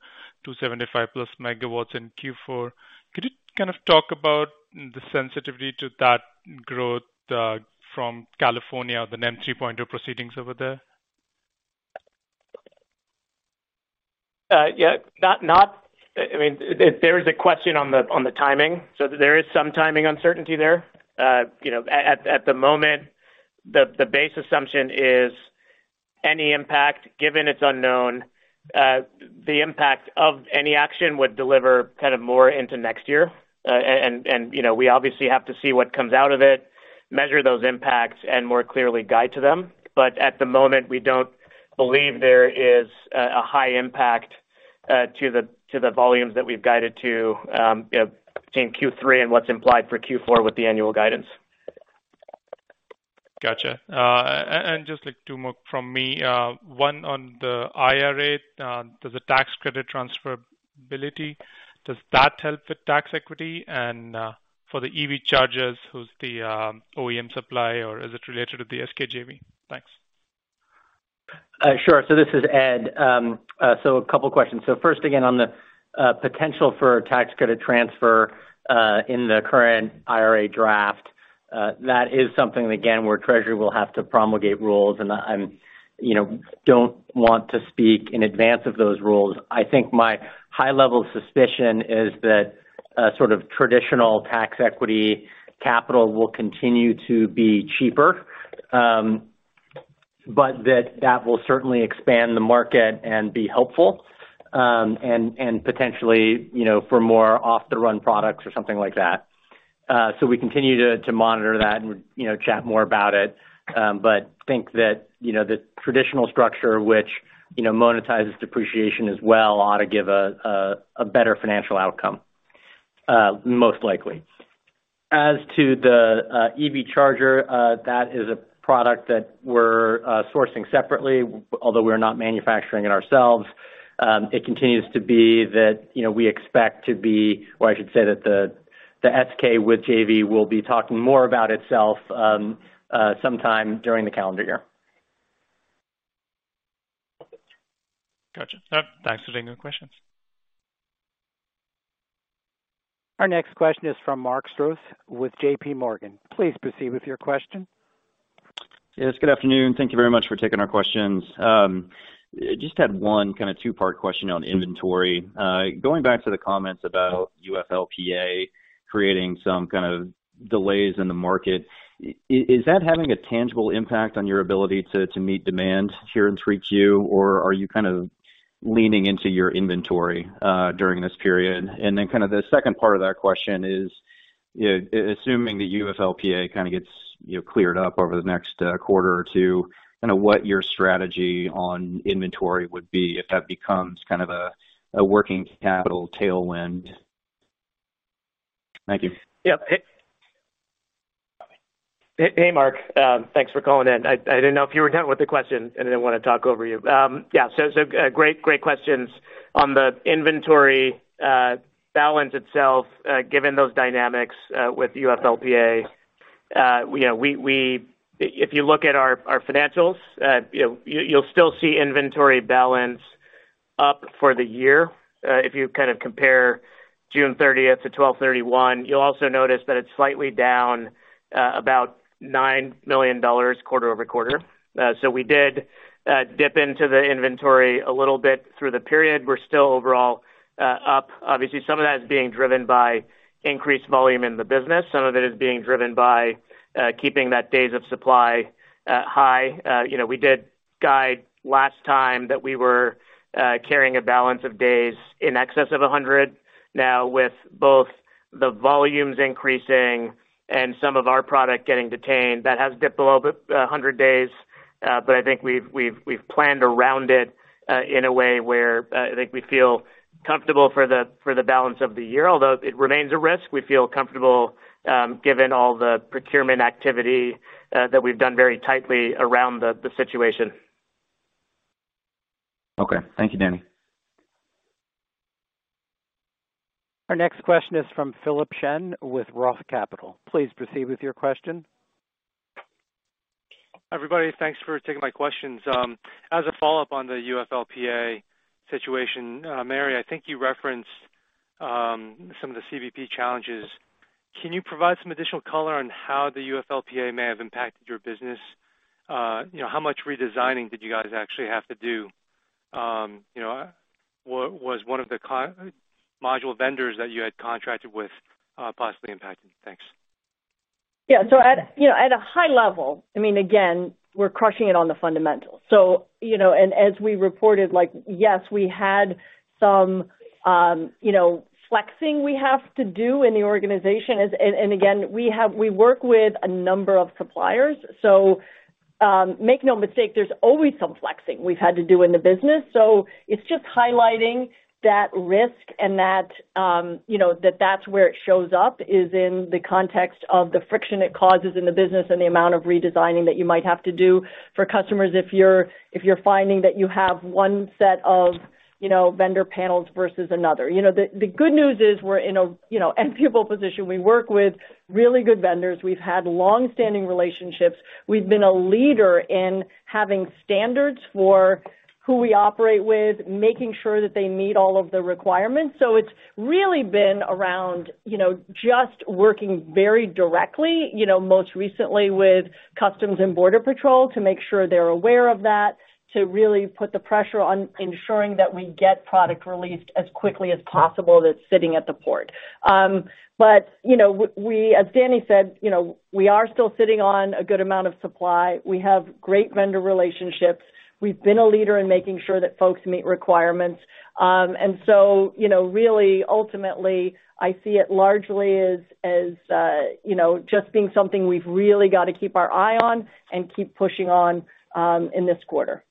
275+ MW in Q4. Could you kind of talk about the sensitivity to that growth from California, the NEM 3.0 proceedings over there? Yeah. I mean, there is a question on the timing, so there is some timing uncertainty there. You know, at the moment, the base assumption is any impact, given it's unknown, the impact of any action would deliver kind of more into next year. You know, we obviously have to see what comes out of it, measure those impacts and more clearly guide to them. At the moment, we don't believe there is a high impact to the volumes that we've guided to, you know, between Q3 and what's implied for Q4 with the annual guidance. Gotcha. Just like two more from me. One on the IRA. Does the tax credit transferability help with tax equity? For the EV chargers, who's the OEM supplier or is it related to the SK JV? Thanks. Sure. This is Ed. A couple questions. First again on the potential for tax credit transfer in the current IRA draft. That is something again, where Treasury will have to promulgate rules and I'm, you know, don't want to speak in advance of those rules. I think my high level suspicion is that sort of traditional tax equity capital will continue to be cheaper, but that will certainly expand the market and be helpful, and potentially, you know, for more off the run products or something like that. We continue to monitor that and, you know, chat more about it. Think that, you know, the traditional structure which, you know, monetizes depreciation as well ought to give a better financial outcome, most likely. As to the EV charger, that is a product that we're sourcing separately, although we're not manufacturing it ourselves. It continues to be that, you know, or I should say that the SK JV will be talking more about itself sometime during the calendar year. Gotcha. Thanks for taking the questions. Our next question is from Mark Strouse with JP Morgan. Please proceed with your question. Yes, good afternoon. Thank you very much for taking our questions. Just had one kind of two-part question on inventory. Going back to the comments about UFLPA creating some kind of delays in the market, is that having a tangible impact on your ability to meet demand here in 3Q, or are you kind of Leaning into your inventory during this period. Then kind of the second part of that question is, assuming the UFLPA kind of gets, you know, cleared up over the next quarter or two, kind of what your strategy on inventory would be if that becomes kind of a working capital tailwind. Thank you. Hey, Mark. Thanks for calling in. I didn't know if you were done with the question. I didn't want to talk over you. Yeah, great questions. On the inventory balance itself, given those dynamics with UFLPA, you know, if you look at our financials, you know, you'll still see inventory balance up for the year. If you kind of compare June 30th to December 31, you'll also notice that it's slightly down about $9 million quarter-over-quarter. We did dip into the inventory a little bit through the period. We're still overall up. Obviously, some of that is being driven by increased volume in the business. Some of it is being driven by keeping that days of supply high. You know, we did guide last time that we were carrying a balance of days in excess of 100. Now, with both the volumes increasing and some of our product getting detained, that has dipped a little bit, 100 days. I think we've planned around it in a way where I think we feel comfortable for the balance of the year. Although it remains a risk, we feel comfortable given all the procurement activity that we've done very tightly around the situation. Okay. Thank you, Danny. Our next question is from Philip Shen with ROTH Capital Partners. Please proceed with your question. Everybody, thanks for taking my questions. As a follow-up on the UFLPA situation, Mary, I think you referenced some of the CBP challenges. Can you provide some additional color on how the UFLPA may have impacted your business? You know, how much redesigning did you guys actually have to do? You know, was one of the module vendors that you had contracted with possibly impacted? Thanks. Yeah. At, you know, at a high level, I mean, again, we're crushing it on the fundamentals. You know, and as we reported, like, yes, we had some, you know, flexing we have to do in the organization. And again, we work with a number of suppliers, so, make no mistake, there's always some flexing we've had to do in the business. It's just highlighting that risk and that, you know, that's where it shows up is in the context of the friction it causes in the business and the amount of redesigning that you might have to do for customers if you're finding that you have one set of, you know, vendor panels versus another. You know, the good news is we're in a, you know, enviable position. We work with really good vendors. We've had long-standing relationships. We've been a leader in having standards for who we operate with, making sure that they meet all of the requirements. It's really been around, you know, just working very directly, you know, most recently with U.S. Customs and Border Protection to make sure they're aware of that, to really put the pressure on ensuring that we get product released as quickly as possible that's sitting at the port. You know, as Danny said, you know, we are still sitting on a good amount of supply. We have great vendor relationships. We've been a leader in making sure that folks meet requirements. You know, really ultimately, I see it largely as, you know, just being something we've really got to keep our eye on and keep pushing on, in this quarter.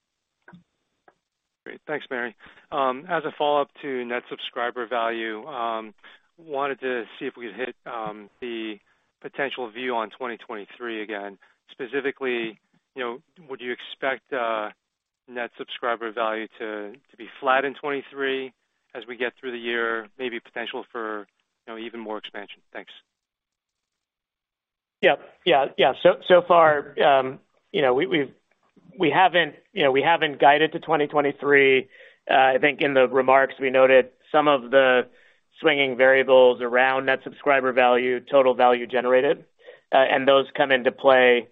Great. Thanks, Mary. As a follow-up to Net Subscriber Value, wanted to see if we could hit the potential view on 2023 again. Specifically, you know, would you expect Net Subscriber Value to be flat in 2023 as we get through the year, maybe potential for, you know, even more expansion? Thanks. So far, you know, we haven't guided to 2023. I think in the remarks, we noted some of the swinging variables around Net Subscriber Value, Total Value Generated, and those come into play,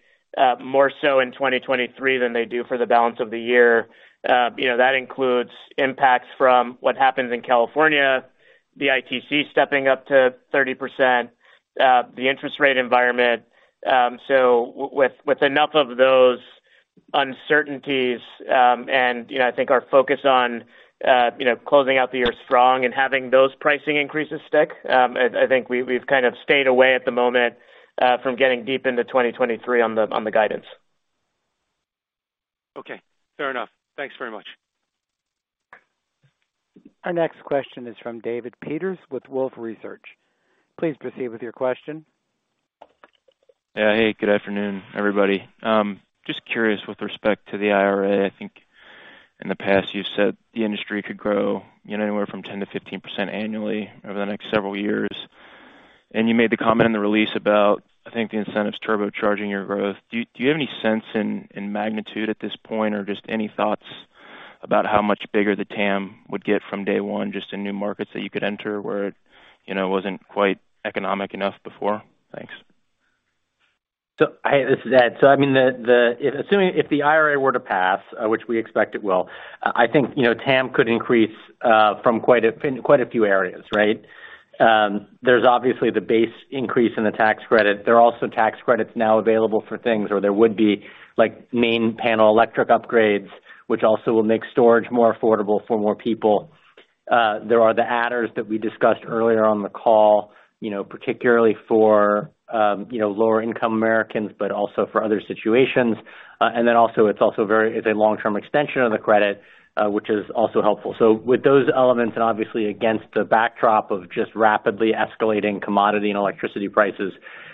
more so in 2023 than they do for the balance of the year. You know, that includes impacts from what happens in California, the ITC stepping up to 30%, the interest rate environment. With enough of those uncertainties, and you know, I think our focus on, you know, closing out the year strong and having those pricing increases stick, I think we've kind of stayed away at the moment, from getting deep into 2023 on the guidance. Okay. Fair enough. Thanks very much. Our next question is from David Peters with Wolfe Research. Please proceed with your question. Yeah. Hey, good afternoon, everybody. Just curious with respect to the IRA, I think in the past you've said the industry could grow, you know, anywhere from 10%-15% annually over the next several years. You made the comment in the release about, I think, the incentives turbocharging your growth. Do you have any sense in magnitude at this point or just any thoughts about how much bigger the TAM would get from day one, just in new markets that you could enter where it, you know, wasn't quite economic enough before? Thanks. Hey, this is Ed. I mean, assuming if the IRA were to pass, which we expect it will, I think, you know, TAM could increase from quite a few areas, right? There's obviously the base increase in the tax credit. There are also tax credits now available for things, or there would be like main panel electric upgrades, which also will make storage more affordable for more people. There are the adders that we discussed earlier on the call, you know, particularly for lower income Americans, but also for other situations. Also it's also a long-term extension of the credit, which is also helpful. With those elements, and obviously against the backdrop of just rapidly escalating commodity and electricity prices,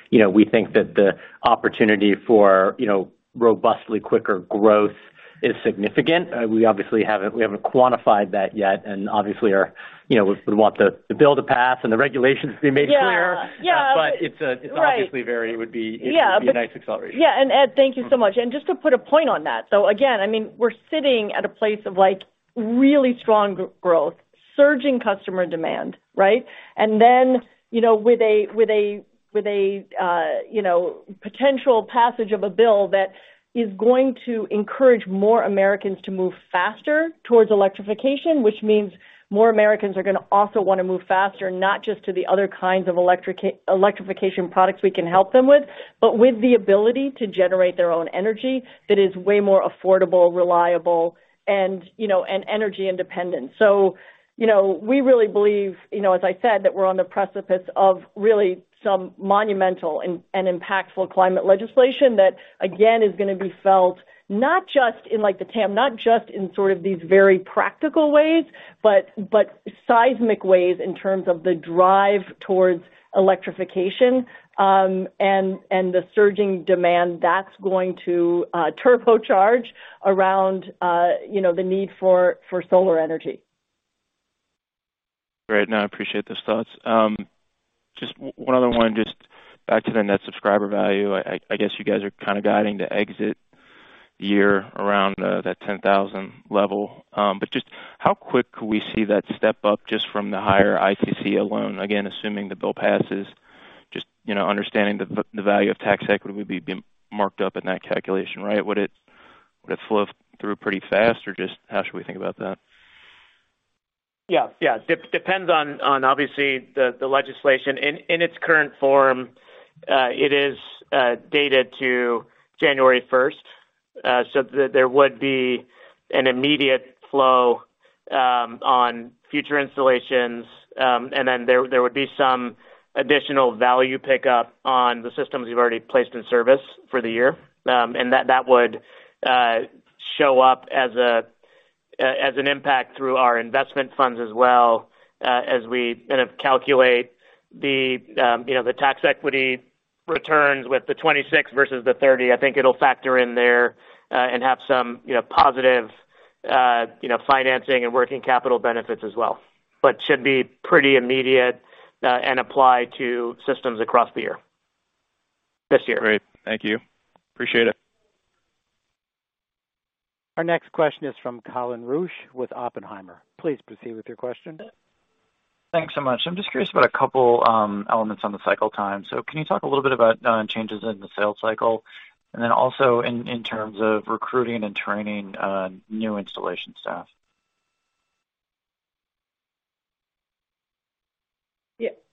you know, we think that the opportunity for, you know, robustly quicker growth is significant. We obviously haven't quantified that yet, and obviously are, you know, we want the bill to pass and the regulations to be made clear. Yeah. Yeah. It's. Right. It's obviously very, would be- Yeah. It would be a nice acceleration. Yeah. Ed, thank you so much. Just to put a point on that, again, I mean, we're sitting at a place of like really strong growth, surging customer demand, right? Then, you know, with a potential passage of a bill that is going to encourage more Americans to move faster towards electrification, which means more Americans are gonna also wanna move faster, not just to the other kinds of electrification products we can help them with, but with the ability to generate their own energy that is way more affordable, reliable and energy independent. You know, we really believe, you know, as I said, that we're on the precipice of really some monumental and impactful climate legislation that, again, is gonna be felt not just in like the TAM, not just in sort of these very practical ways, but seismic ways in terms of the drive towards electrification, and the surging demand that's going to turbocharge around, you know, the need for solar energy. Great. No, I appreciate those thoughts. Just one other one, just back to the net subscriber value. I guess you guys are kind of guiding the exit year around that 10,000 level. Just how quick could we see that step up just from the higher ITC alone? Again, assuming the bill passes, just you know understanding the value of tax equity would be marked up in that calculation, right? Would it flow through pretty fast, or just how should we think about that? Yeah. Depends on obviously the legislation. In its current form, it is dated to January first, so there would be an immediate flow on future installations, and then there would be some additional value pickup on the systems you've already placed in service for the year. And that would show up as an impact through our investment funds as well, as we kind of calculate you know the tax equity returns with the 26 versus the 30. I think it'll factor in there, and have some you know positive you know financing and working capital benefits as well. But should be pretty immediate, and apply to systems across the year. This year. Great. Thank you. Appreciate it. Our next question is from Colin Rusch with Oppenheimer. Please proceed with your question. Thanks so much. I'm just curious about a couple elements on the cycle time. Can you talk a little bit about changes in the sales cycle and then also in terms of recruiting and training new installation staff?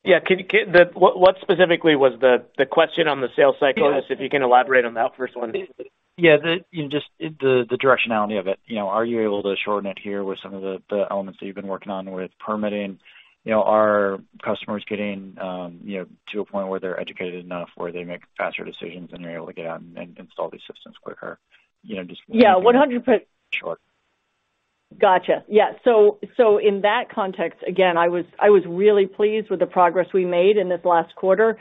Yeah. What specifically was the question on the sales cycle? Yes. If you can elaborate on that first one. Yeah. You know, just the directionality of it. You know, are you able to shorten it here with some of the elements that you've been working on with permitting? You know, are customers getting, you know, to a point where they're educated enough, where they make faster decisions and you're able to get out and install these systems quicker? You know, yeah, 100%. Sure. Gotcha. Yeah. In that context, again, I was really pleased with the progress we made in this last quarter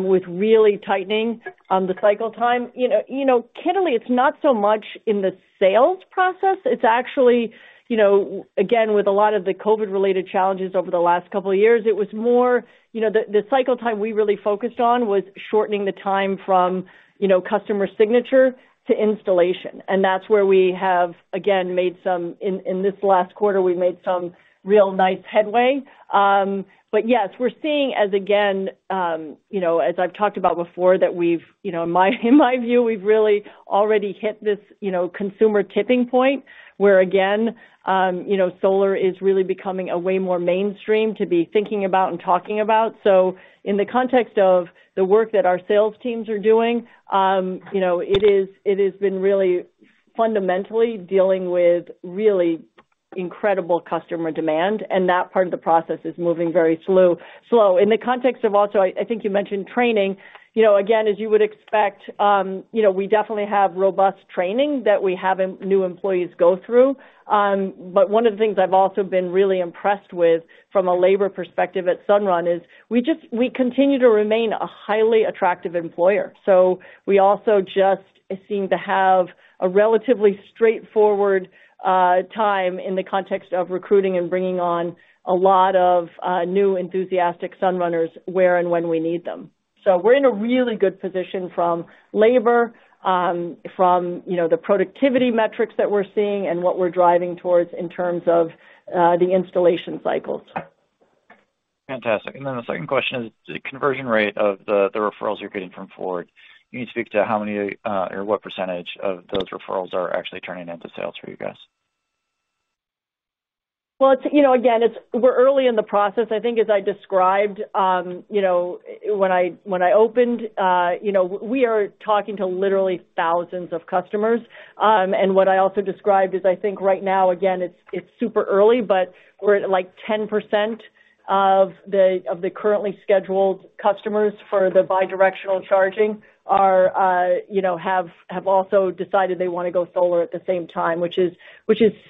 with really tightening the cycle time. You know, candidly, it's not so much in the sales process. It's actually, you know, again, with a lot of the COVID-related challenges over the last couple of years, it was more, you know, the cycle time we really focused on was shortening the time from, you know, customer signature to installation. That's where we again made some real nice headway in this last quarter. Yes, we're seeing, as again, you know, as I've talked about before, that we've, you know, in my view, we've really already hit this, you know, consumer tipping point, where again, you know, solar is really becoming a way more mainstream to be thinking about and talking about. In the context of the work that our sales teams are doing, you know, it is, it has been really fundamentally dealing with really incredible customer demand, and that part of the process is moving very slow. In the context of also, I think you mentioned training, you know, again, as you would expect, you know, we definitely have robust training that we have new employees go through. One of the things I've also been really impressed with from a labor perspective at Sunrun is we continue to remain a highly attractive employer. We also just seem to have a relatively straightforward time in the context of recruiting and bringing on a lot of new enthusiastic Sunrunners where and when we need them. We're in a really good position from labor, from, you know, the productivity metrics that we're seeing and what we're driving towards in terms of the installation cycles. Fantastic. Then the second question is the conversion rate of the referrals you're getting from Ford. Can you speak to how many or what percentage of those referrals are actually turning into sales for you guys? Well, it's, you know, again, we're early in the process. I think as I described, you know, when I opened, you know, we are talking to literally thousands of customers. What I also described is, I think right now, again, it's super early, but we're at, like, 10% of the currently scheduled customers for the bi-directional charging are, you know, have also decided they wanna go solar at the same time, which is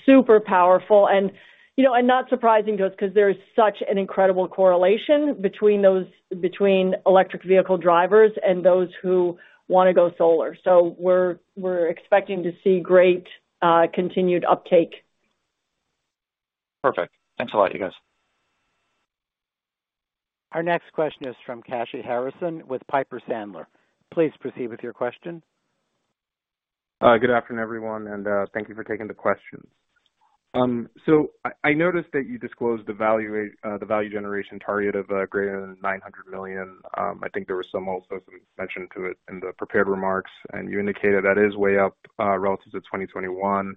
super powerful. You know, and not surprising to us 'cause there is such an incredible correlation between electric vehicle drivers and those who wanna go solar. We're expecting to see great, continued uptake. Perfect. Thanks a lot, you guys. Our next question is from Kashy Harrison with Piper Sandler. Please proceed with your question. Good afternoon, everyone, and thank you for taking the questions. So I noticed that you disclosed the value generation target of greater than $900 million. I think there was also some mention of it in the prepared remarks, and you indicated that is way up relative to 2021.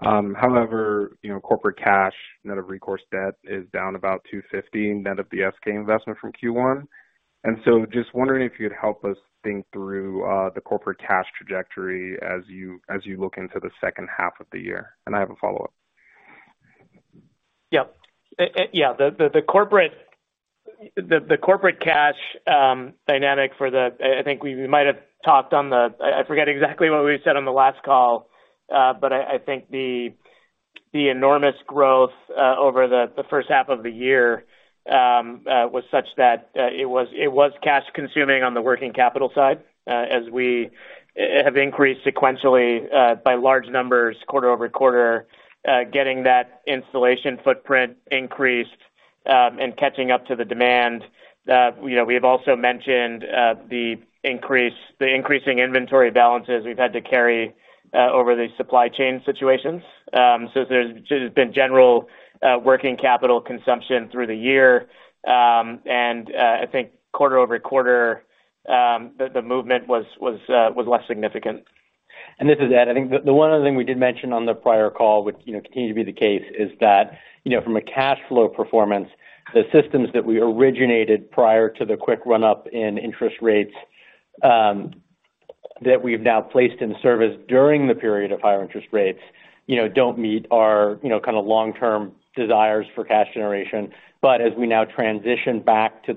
However, you know, corporate cash net of recourse debt is down about $215 net of the SK investment from Q1. Just wondering if you'd help us think through the corporate cash trajectory as you look into the second half of the year. I have a follow-up. Yeah, the corporate cash dynamic. I think we might have talked. I forget exactly what we said on the last call, but I think the enormous growth over the first half of the year was such that it was cash consuming on the working capital side, as we have increased sequentially by large numbers quarter-over-quarter, getting that installation footprint increased and catching up to the demand. You know, we have also mentioned the increasing inventory balances we've had to carry over the supply chain situations. There's just been general working capital consumption through the year. I think quarter-over-quarter, the movement was less significant. This is Ed. I think the one other thing we did mention on the prior call, which, you know, continued to be the case, is that, you know, from a cash flow performance, the systems that we originated prior to the quick run-up in interest rates, that we've now placed in service during the period of higher interest rates, you know, don't meet our, you know, kinda long-term desires for cash generation. As we now transition back to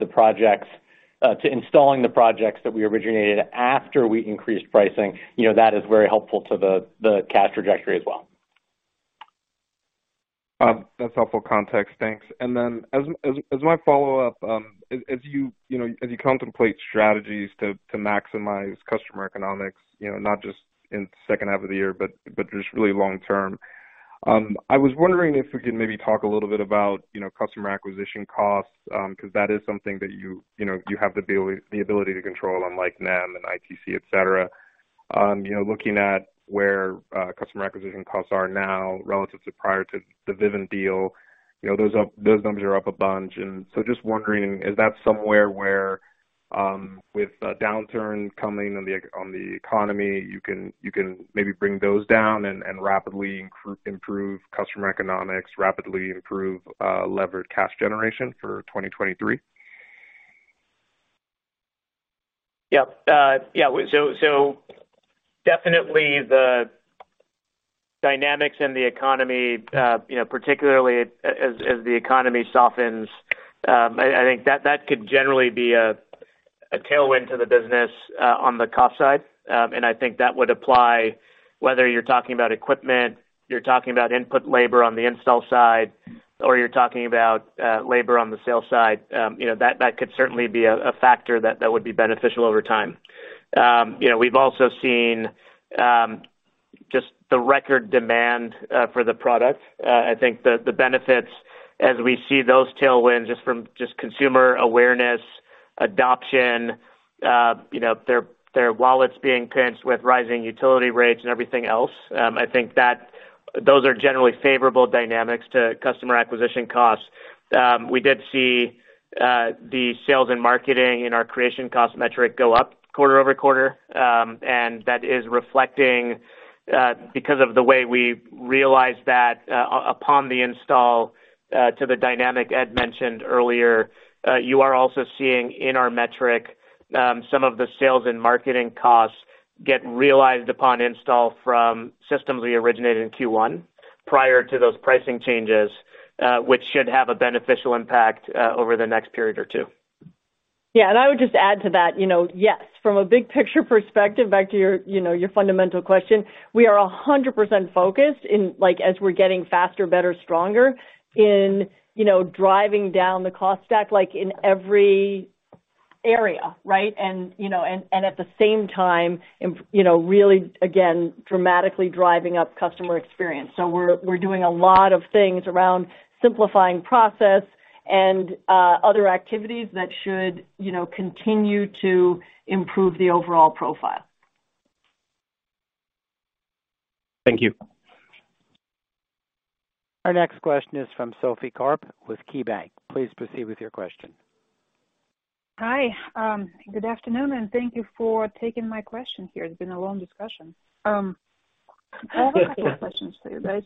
installing the projects that we originated after we increased pricing, you know, that is very helpful to the cash trajectory as well. That's helpful context. Thanks. Then as my follow-up, as you know, as you contemplate strategies to maximize customer economics, you know, not just in second half of the year, but just really long term, I was wondering if we could maybe talk a little bit about, you know, customer acquisition costs, 'cause that is something that you know, you have the ability to control, unlike NEM and ITC, et cetera. You know, looking at where customer acquisition costs are now relative to prior to the Vivint deal, you know, those numbers are up a bunch, and so just wondering, is that somewhere where, with a downturn coming on the economy, you can maybe bring those down and rapidly improve customer economics, levered cash generation for 2023? Yep. So definitely the dynamics in the economy, you know, particularly as the economy softens, I think that could generally be a tailwind to the business, on the cost side. I think that would apply whether you're talking about equipment, you're talking about input labor on the install side, or you're talking about labor on the sales side. You know, that could certainly be a factor that would be beneficial over time. You know, we've also seen just the record demand for the product. I think the benefits as we see those tailwinds just from consumer awareness, adoption, you know, their wallets being pinched with rising utility rates and everything else, I think that those are generally favorable dynamics to customer acquisition costs. We did see the sales and marketing in our acquisition cost metric go up quarter-over-quarter. That is reflecting because of the way we realize that upon the install to the dynamics that Ed mentioned earlier. You are also seeing in our metric some of the sales and marketing costs get realized upon install from systems we originated in Q1 prior to those pricing changes, which should have a beneficial impact over the next period or two. Yeah. I would just add to that, you know, yes, from a big picture perspective, back to your, you know, your fundamental question, we are 100% focused in, like, as we're getting faster, better, stronger in, you know, driving down the cost stack, like, in every area, right? At the same time, you know, really, again, dramatically driving up customer experience. We're doing a lot of things around simplifying process and other activities that should, you know, continue to improve the overall profile. Thank you. Our next question is from Sophie Karp with KeyBank. Please proceed with your question. Hi, good afternoon, and thank you for taking my question here. It's been a long discussion. I have a couple questions for you guys.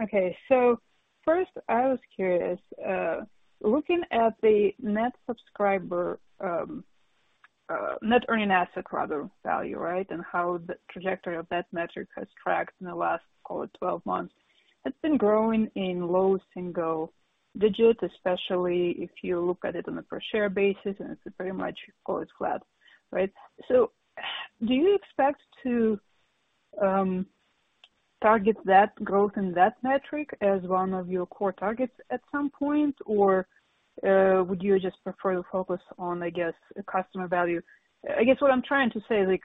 Okay. First, I was curious, looking at the net earning asset value, right? How the trajectory of that metric has tracked in the last, call it 12 months. It's been growing in low single digits, especially if you look at it on a per share basis, and it's pretty much grown flat, right? Do you expect to target that growth in that metric as one of your core targets at some point? Or, would you just prefer to focus on, I guess, customer value? I guess what I'm trying to say is like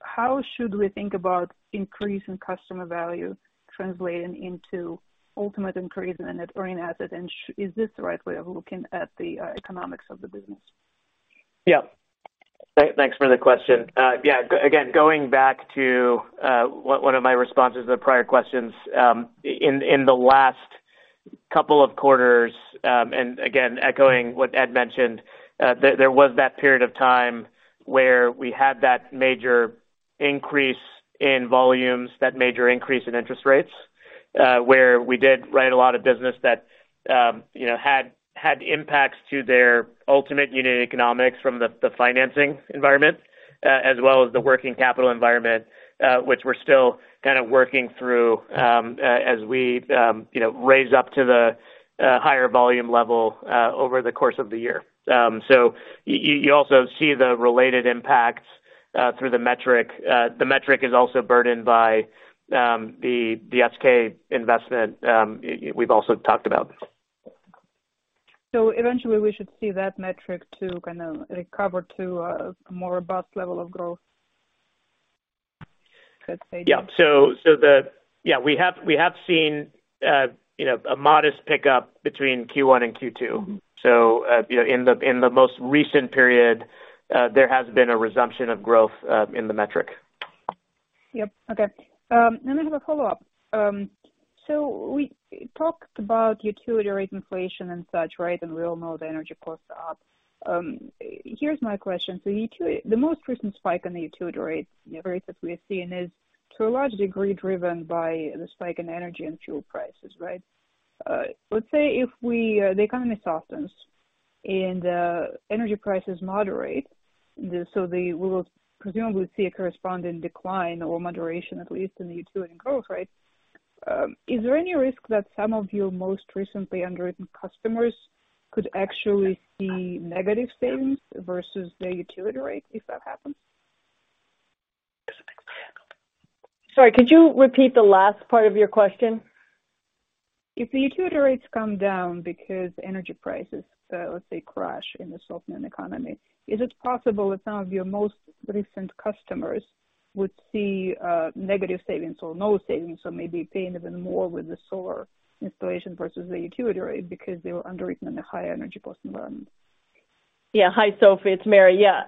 how should we think about increase in customer value translating into ultimate increase in net earning asset? Is this the right way of looking at the economics of the business? Yeah. Thanks for the question. Going back to one of my responses to the prior questions, in the last couple of quarters, and again echoing what Ed mentioned, there was that period of time where we had that major increase in volumes, that major increase in interest rates, where we did write a lot of business that you know had impacts to their ultimate unit economics from the financing environment as well as the working capital environment, which we're still kind of working through, as we you know raise up to the higher volume level over the course of the year. You also see the related impacts through the metric. The metric is also burdened by the SK investment. We've also talked about before. Eventually we should see that metric to kinda recover to a more robust level of growth. Let's say Yeah, we have seen, you know, a modest pickup between Q1 and Q2. You know, in the most recent period, there has been a resumption of growth in the metric. Yep. Okay. As a follow-up. We talked about utility rate inflation and such, right? We all know the energy costs are up. Here's my question. The most recent spike in the utility rates, you know, rates that we've seen is to a large degree driven by the spike in energy and fuel prices, right? Let's say if the economy softens and the energy prices moderate, so we will presumably see a corresponding decline or moderation at least in the utility growth rate. Is there any risk that some of your most recently underwritten customers could actually see negative savings versus the utility rate if that happens? Sorry, could you repeat the last part of your question? If the utility rates come down because energy prices, let's say, crash in the softening economy, is it possible that some of your most recent customers would see, negative savings or no savings or maybe pay even more with the solar installation versus the utility rate because they were underwritten in a higher energy cost environment? Yeah. Hi, Sophie. It's Mary. Yeah.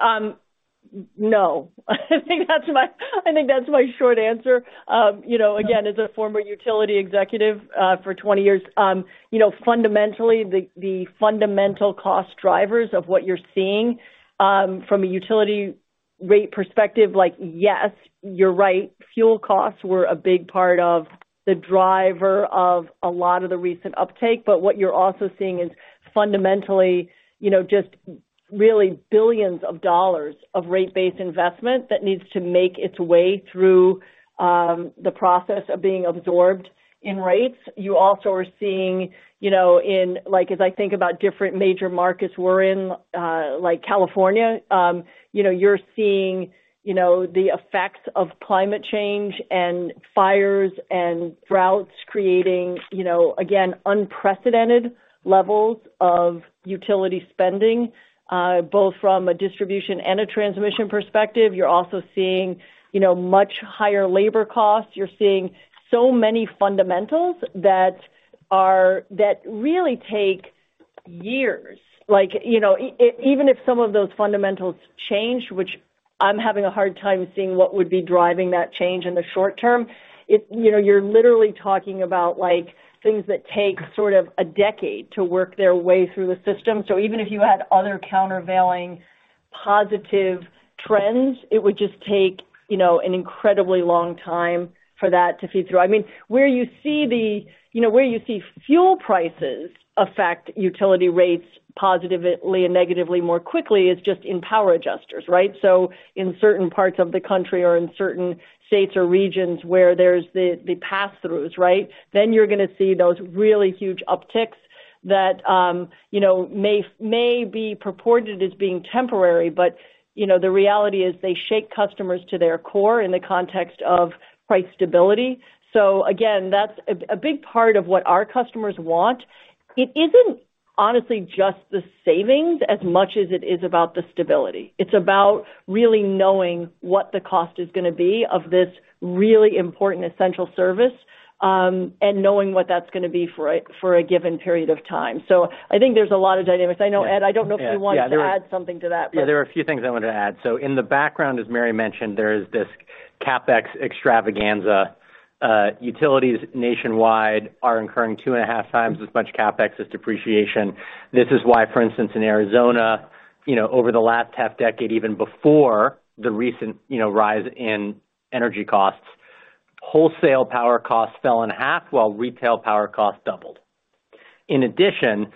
No. I think that's my short answer. You know, again, as a former utility executive, for 20 years, you know, fundamentally, the fundamental cost drivers of what you're seeing, from a utility rate perspective, like, yes, you're right. Fuel costs were a big part of the driver of a lot of the recent uptake. What you're also seeing is fundamentally, you know, just really billions of dollars of rate-based investment that needs to make its way through, the process of being absorbed in rates. You also are seeing, you know, like as I think about different major markets we're in, like California, you know, you're seeing, you know, the effects of climate change and fires and droughts creating, you know, again, unprecedented levels of utility spending, both from a distribution and a transmission perspective. You're also seeing, you know, much higher labor costs. You're seeing so many fundamentals that really take years. Like, you know, even if some of those fundamentals change, which I'm having a hard time seeing what would be driving that change in the short term, it, you know, you're literally talking about like things that take sort of a decade to work their way through the system. So even if you had other countervailing positive trends, it would just take, you know, an incredibly long time for that to feed through. I mean, you know, where you see fuel prices affect utility rates positively and negatively more quickly is just in power adjusters, right? In certain parts of the country or in certain states or regions where there's the pass-throughs, right? You're gonna see those really huge upticks that, you know, may be purported as being temporary. You know, the reality is they shake customers to their core in the context of price stability. Again, that's a big part of what our customers want. It isn't honestly just the savings as much as it is about the stability. It's about really knowing what the cost is gonna be of this really important essential service, and knowing what that's gonna be for a given period of time. I think there's a lot of dynamics. I know, Ed, I don't know if you want to add something to that. Yeah, there are a few things I wanted to add. In the background, as Mary mentioned, there is this- CapEx extravaganza. Utilities nationwide are incurring 2.5 times as much CapEx as depreciation. This is why, for instance, in Arizona, you know, over the last half decade, even before the recent, you know, rise in energy costs, wholesale power costs fell in half while retail power costs doubled. In addition,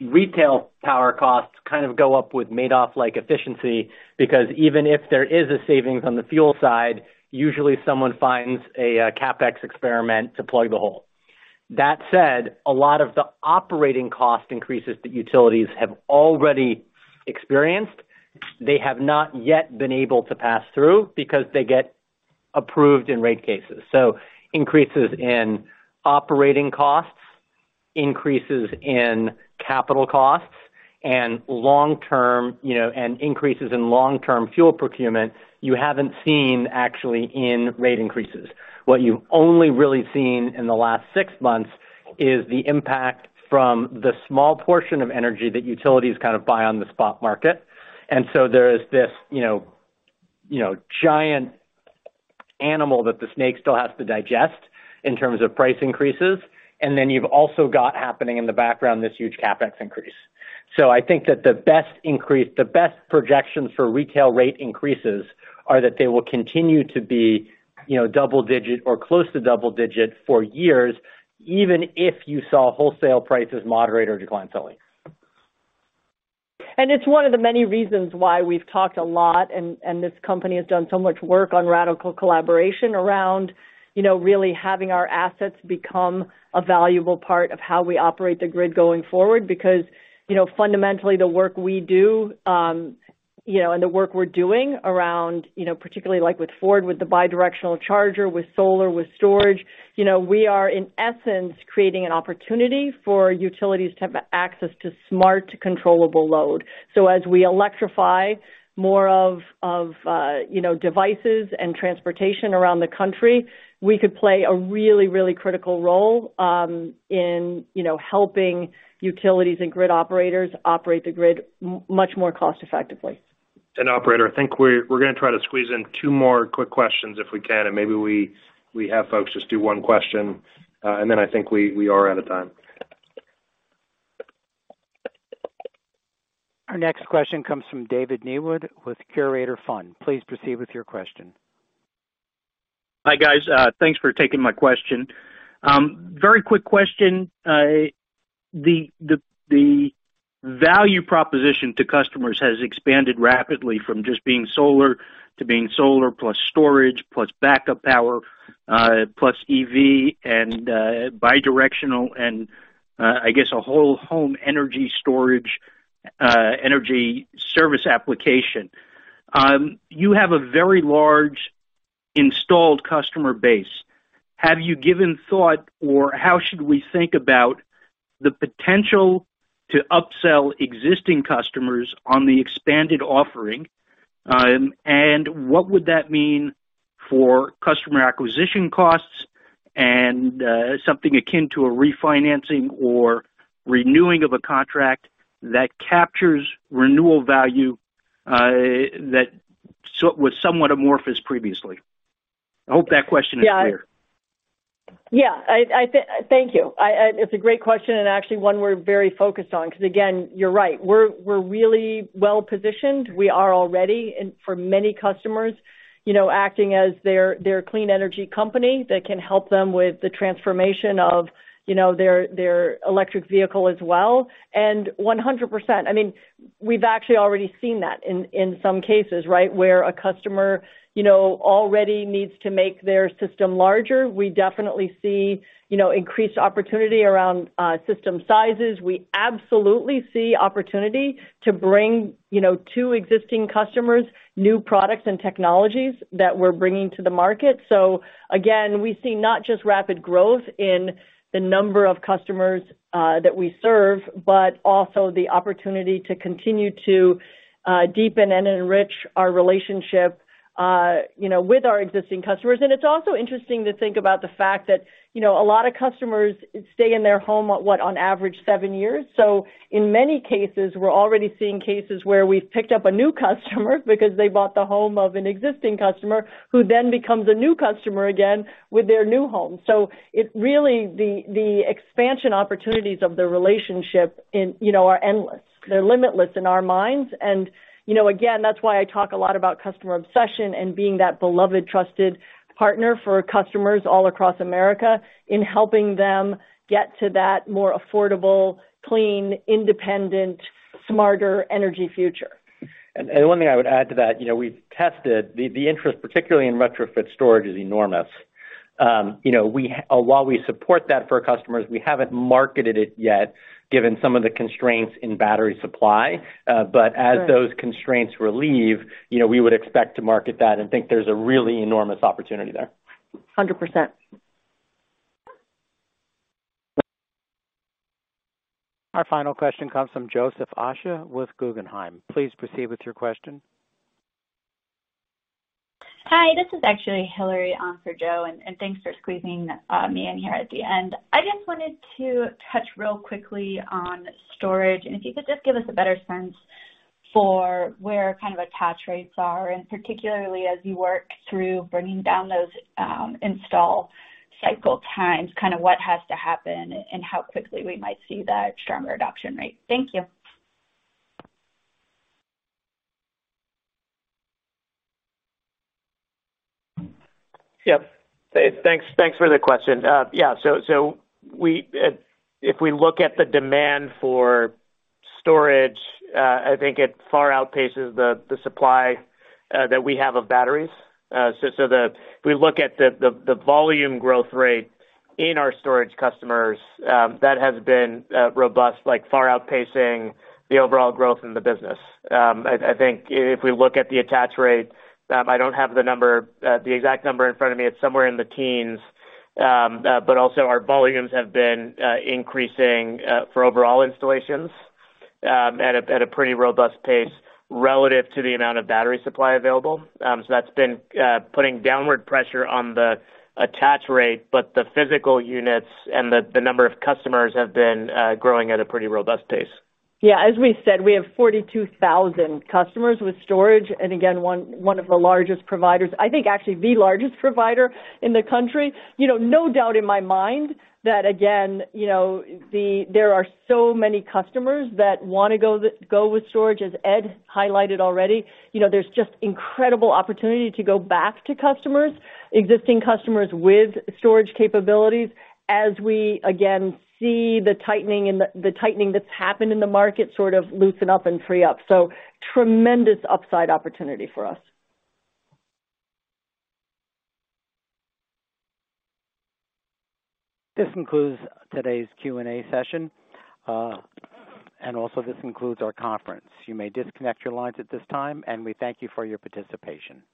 retail power costs kind of go up with Madoff-like efficiency because even if there is a savings on the fuel side, usually someone finds a CapEx experiment to plug the hole. That said, a lot of the operating cost increases that utilities have already experienced, they have not yet been able to pass through because they get approved in rate cases. Increases in operating costs, increases in capital costs and long-term, you know, and increases in long-term fuel procurement, you haven't seen actually in rate increases. What you've only really seen in the last six months is the impact from the small portion of energy that utilities kind of buy on the spot market. There is this, you know, giant animal that the snake still has to digest in terms of price increases. You've also got happening in the background, this huge CapEx increase. I think that the best projections for retail rate increases are that they will continue to be, you know, double digit or close to double digit for years, even if you saw wholesale prices moderate or decline fully. It's one of the many reasons why we've talked a lot, and this company has done so much work on radical collaboration around, you know, really having our assets become a valuable part of how we operate the grid going forward. Because, you know, fundamentally, the work we do, and the work we're doing around, you know, particularly like with Ford, with the bidirectional charger, with solar, with storage. You know, we are in essence creating an opportunity for utilities to have access to smart, controllable load. As we electrify more of, you know, devices and transportation around the country, we could play a really critical role, in, you know, helping utilities and grid operators operate the grid much more cost effectively. Operator, I think we're gonna try to squeeze in two more quick questions if we can. Maybe we have folks just do one question, and then I think we are out of time. Our next question comes from David Nierenberg with Nierenberg Investment Management Company. Please proceed with your question. Hi, guys. Thanks for taking my question. Very quick question. The value proposition to customers has expanded rapidly from just being solar to being solar plus storage, plus backup power, plus EV and, bidirectional and, I guess a whole home energy storage, energy service application. You have a very large installed customer base. Have you given thought or how should we think about the potential to upsell existing customers on the expanded offering? What would that mean for customer acquisition costs and, something akin to a refinancing or renewing of a contract that captures renewal value, that was somewhat amorphous previously? I hope that question is clear. Yeah. Thank you. It's a great question and actually one we're very focused on, because again, you're right, we're really well positioned. We are all ready, and for many customers, you know, acting as their clean energy company that can help them with the transformation of, you know, their electric vehicle as well. 100%, I mean, we've actually already seen that in some cases, right? Where a customer, you know, already needs to make their system larger. We definitely see, you know, increased opportunity around system sizes. We absolutely see opportunity to bring, you know, to existing customers, new products and technologies that we're bringing to the market. Again, we see not just rapid growth in the number of customers that we serve, but also the opportunity to continue to deepen and enrich our relationship, you know, with our existing customers. It's also interesting to think about the fact that, you know, a lot of customers stay in their home on average seven years. In many cases, we're already seeing cases where we've picked up a new customer because they bought the home of an existing customer who then becomes a new customer again with their new home. The expansion opportunities of the relationship in, you know, are endless. They're limitless in our minds. You know, again, that's why I talk a lot about customer obsession and being that beloved, trusted partner for customers all across America in helping them get to that more affordable, clean, independent, smarter energy future. One thing I would add to that, you know, we've tested the interest, particularly in retrofit storage, is enormous. You know, while we support that for our customers, we haven't marketed it yet, given some of the constraints in battery supply. As those constraints relieve, you know, we would expect to market that and think there's a really enormous opportunity there. 100%. Our final question comes from Joseph Osha with Guggenheim. Please proceed with your question. Hi, this is actually Hillary, for Joseph, and thanks for squeezing me in here at the end. I just wanted to touch real quickly on storage, and if you could just give us a better sense For where kind of attach rates are, and particularly as you work through bringing down those, install cycle times, kind of what has to happen and how quickly we might see that stronger adoption rate. Thank you. Yep. Thanks for the question. If we look at the demand for storage, I think it far outpaces the supply that we have of batteries. If we look at the volume growth rate in our storage customers, that has been robust, like far outpacing the overall growth in the business. I think if we look at the attach rate, I don't have the number, the exact number in front of me, it's somewhere in the teens. But also our volumes have been increasing for overall installations at a pretty robust pace relative to the amount of battery supply available. That's been putting downward pressure on the attach rate, but the physical units and the number of customers have been growing at a pretty robust pace. Yeah. As we said, we have 42,000 customers with storage. Again, one of the largest providers, I think actually the largest provider in the country. You know, no doubt in my mind that again, you know, there are so many customers that wanna go with storage, as Ed highlighted already. You know, there's just incredible opportunity to go back to customers, existing customers with storage capabilities, as we again see the tightening that's happened in the market sort of loosen up and free up. Tremendous upside opportunity for us. This concludes today's Q&A session. Also this concludes our conference. You may disconnect your lines at this time, and we thank you for your participation.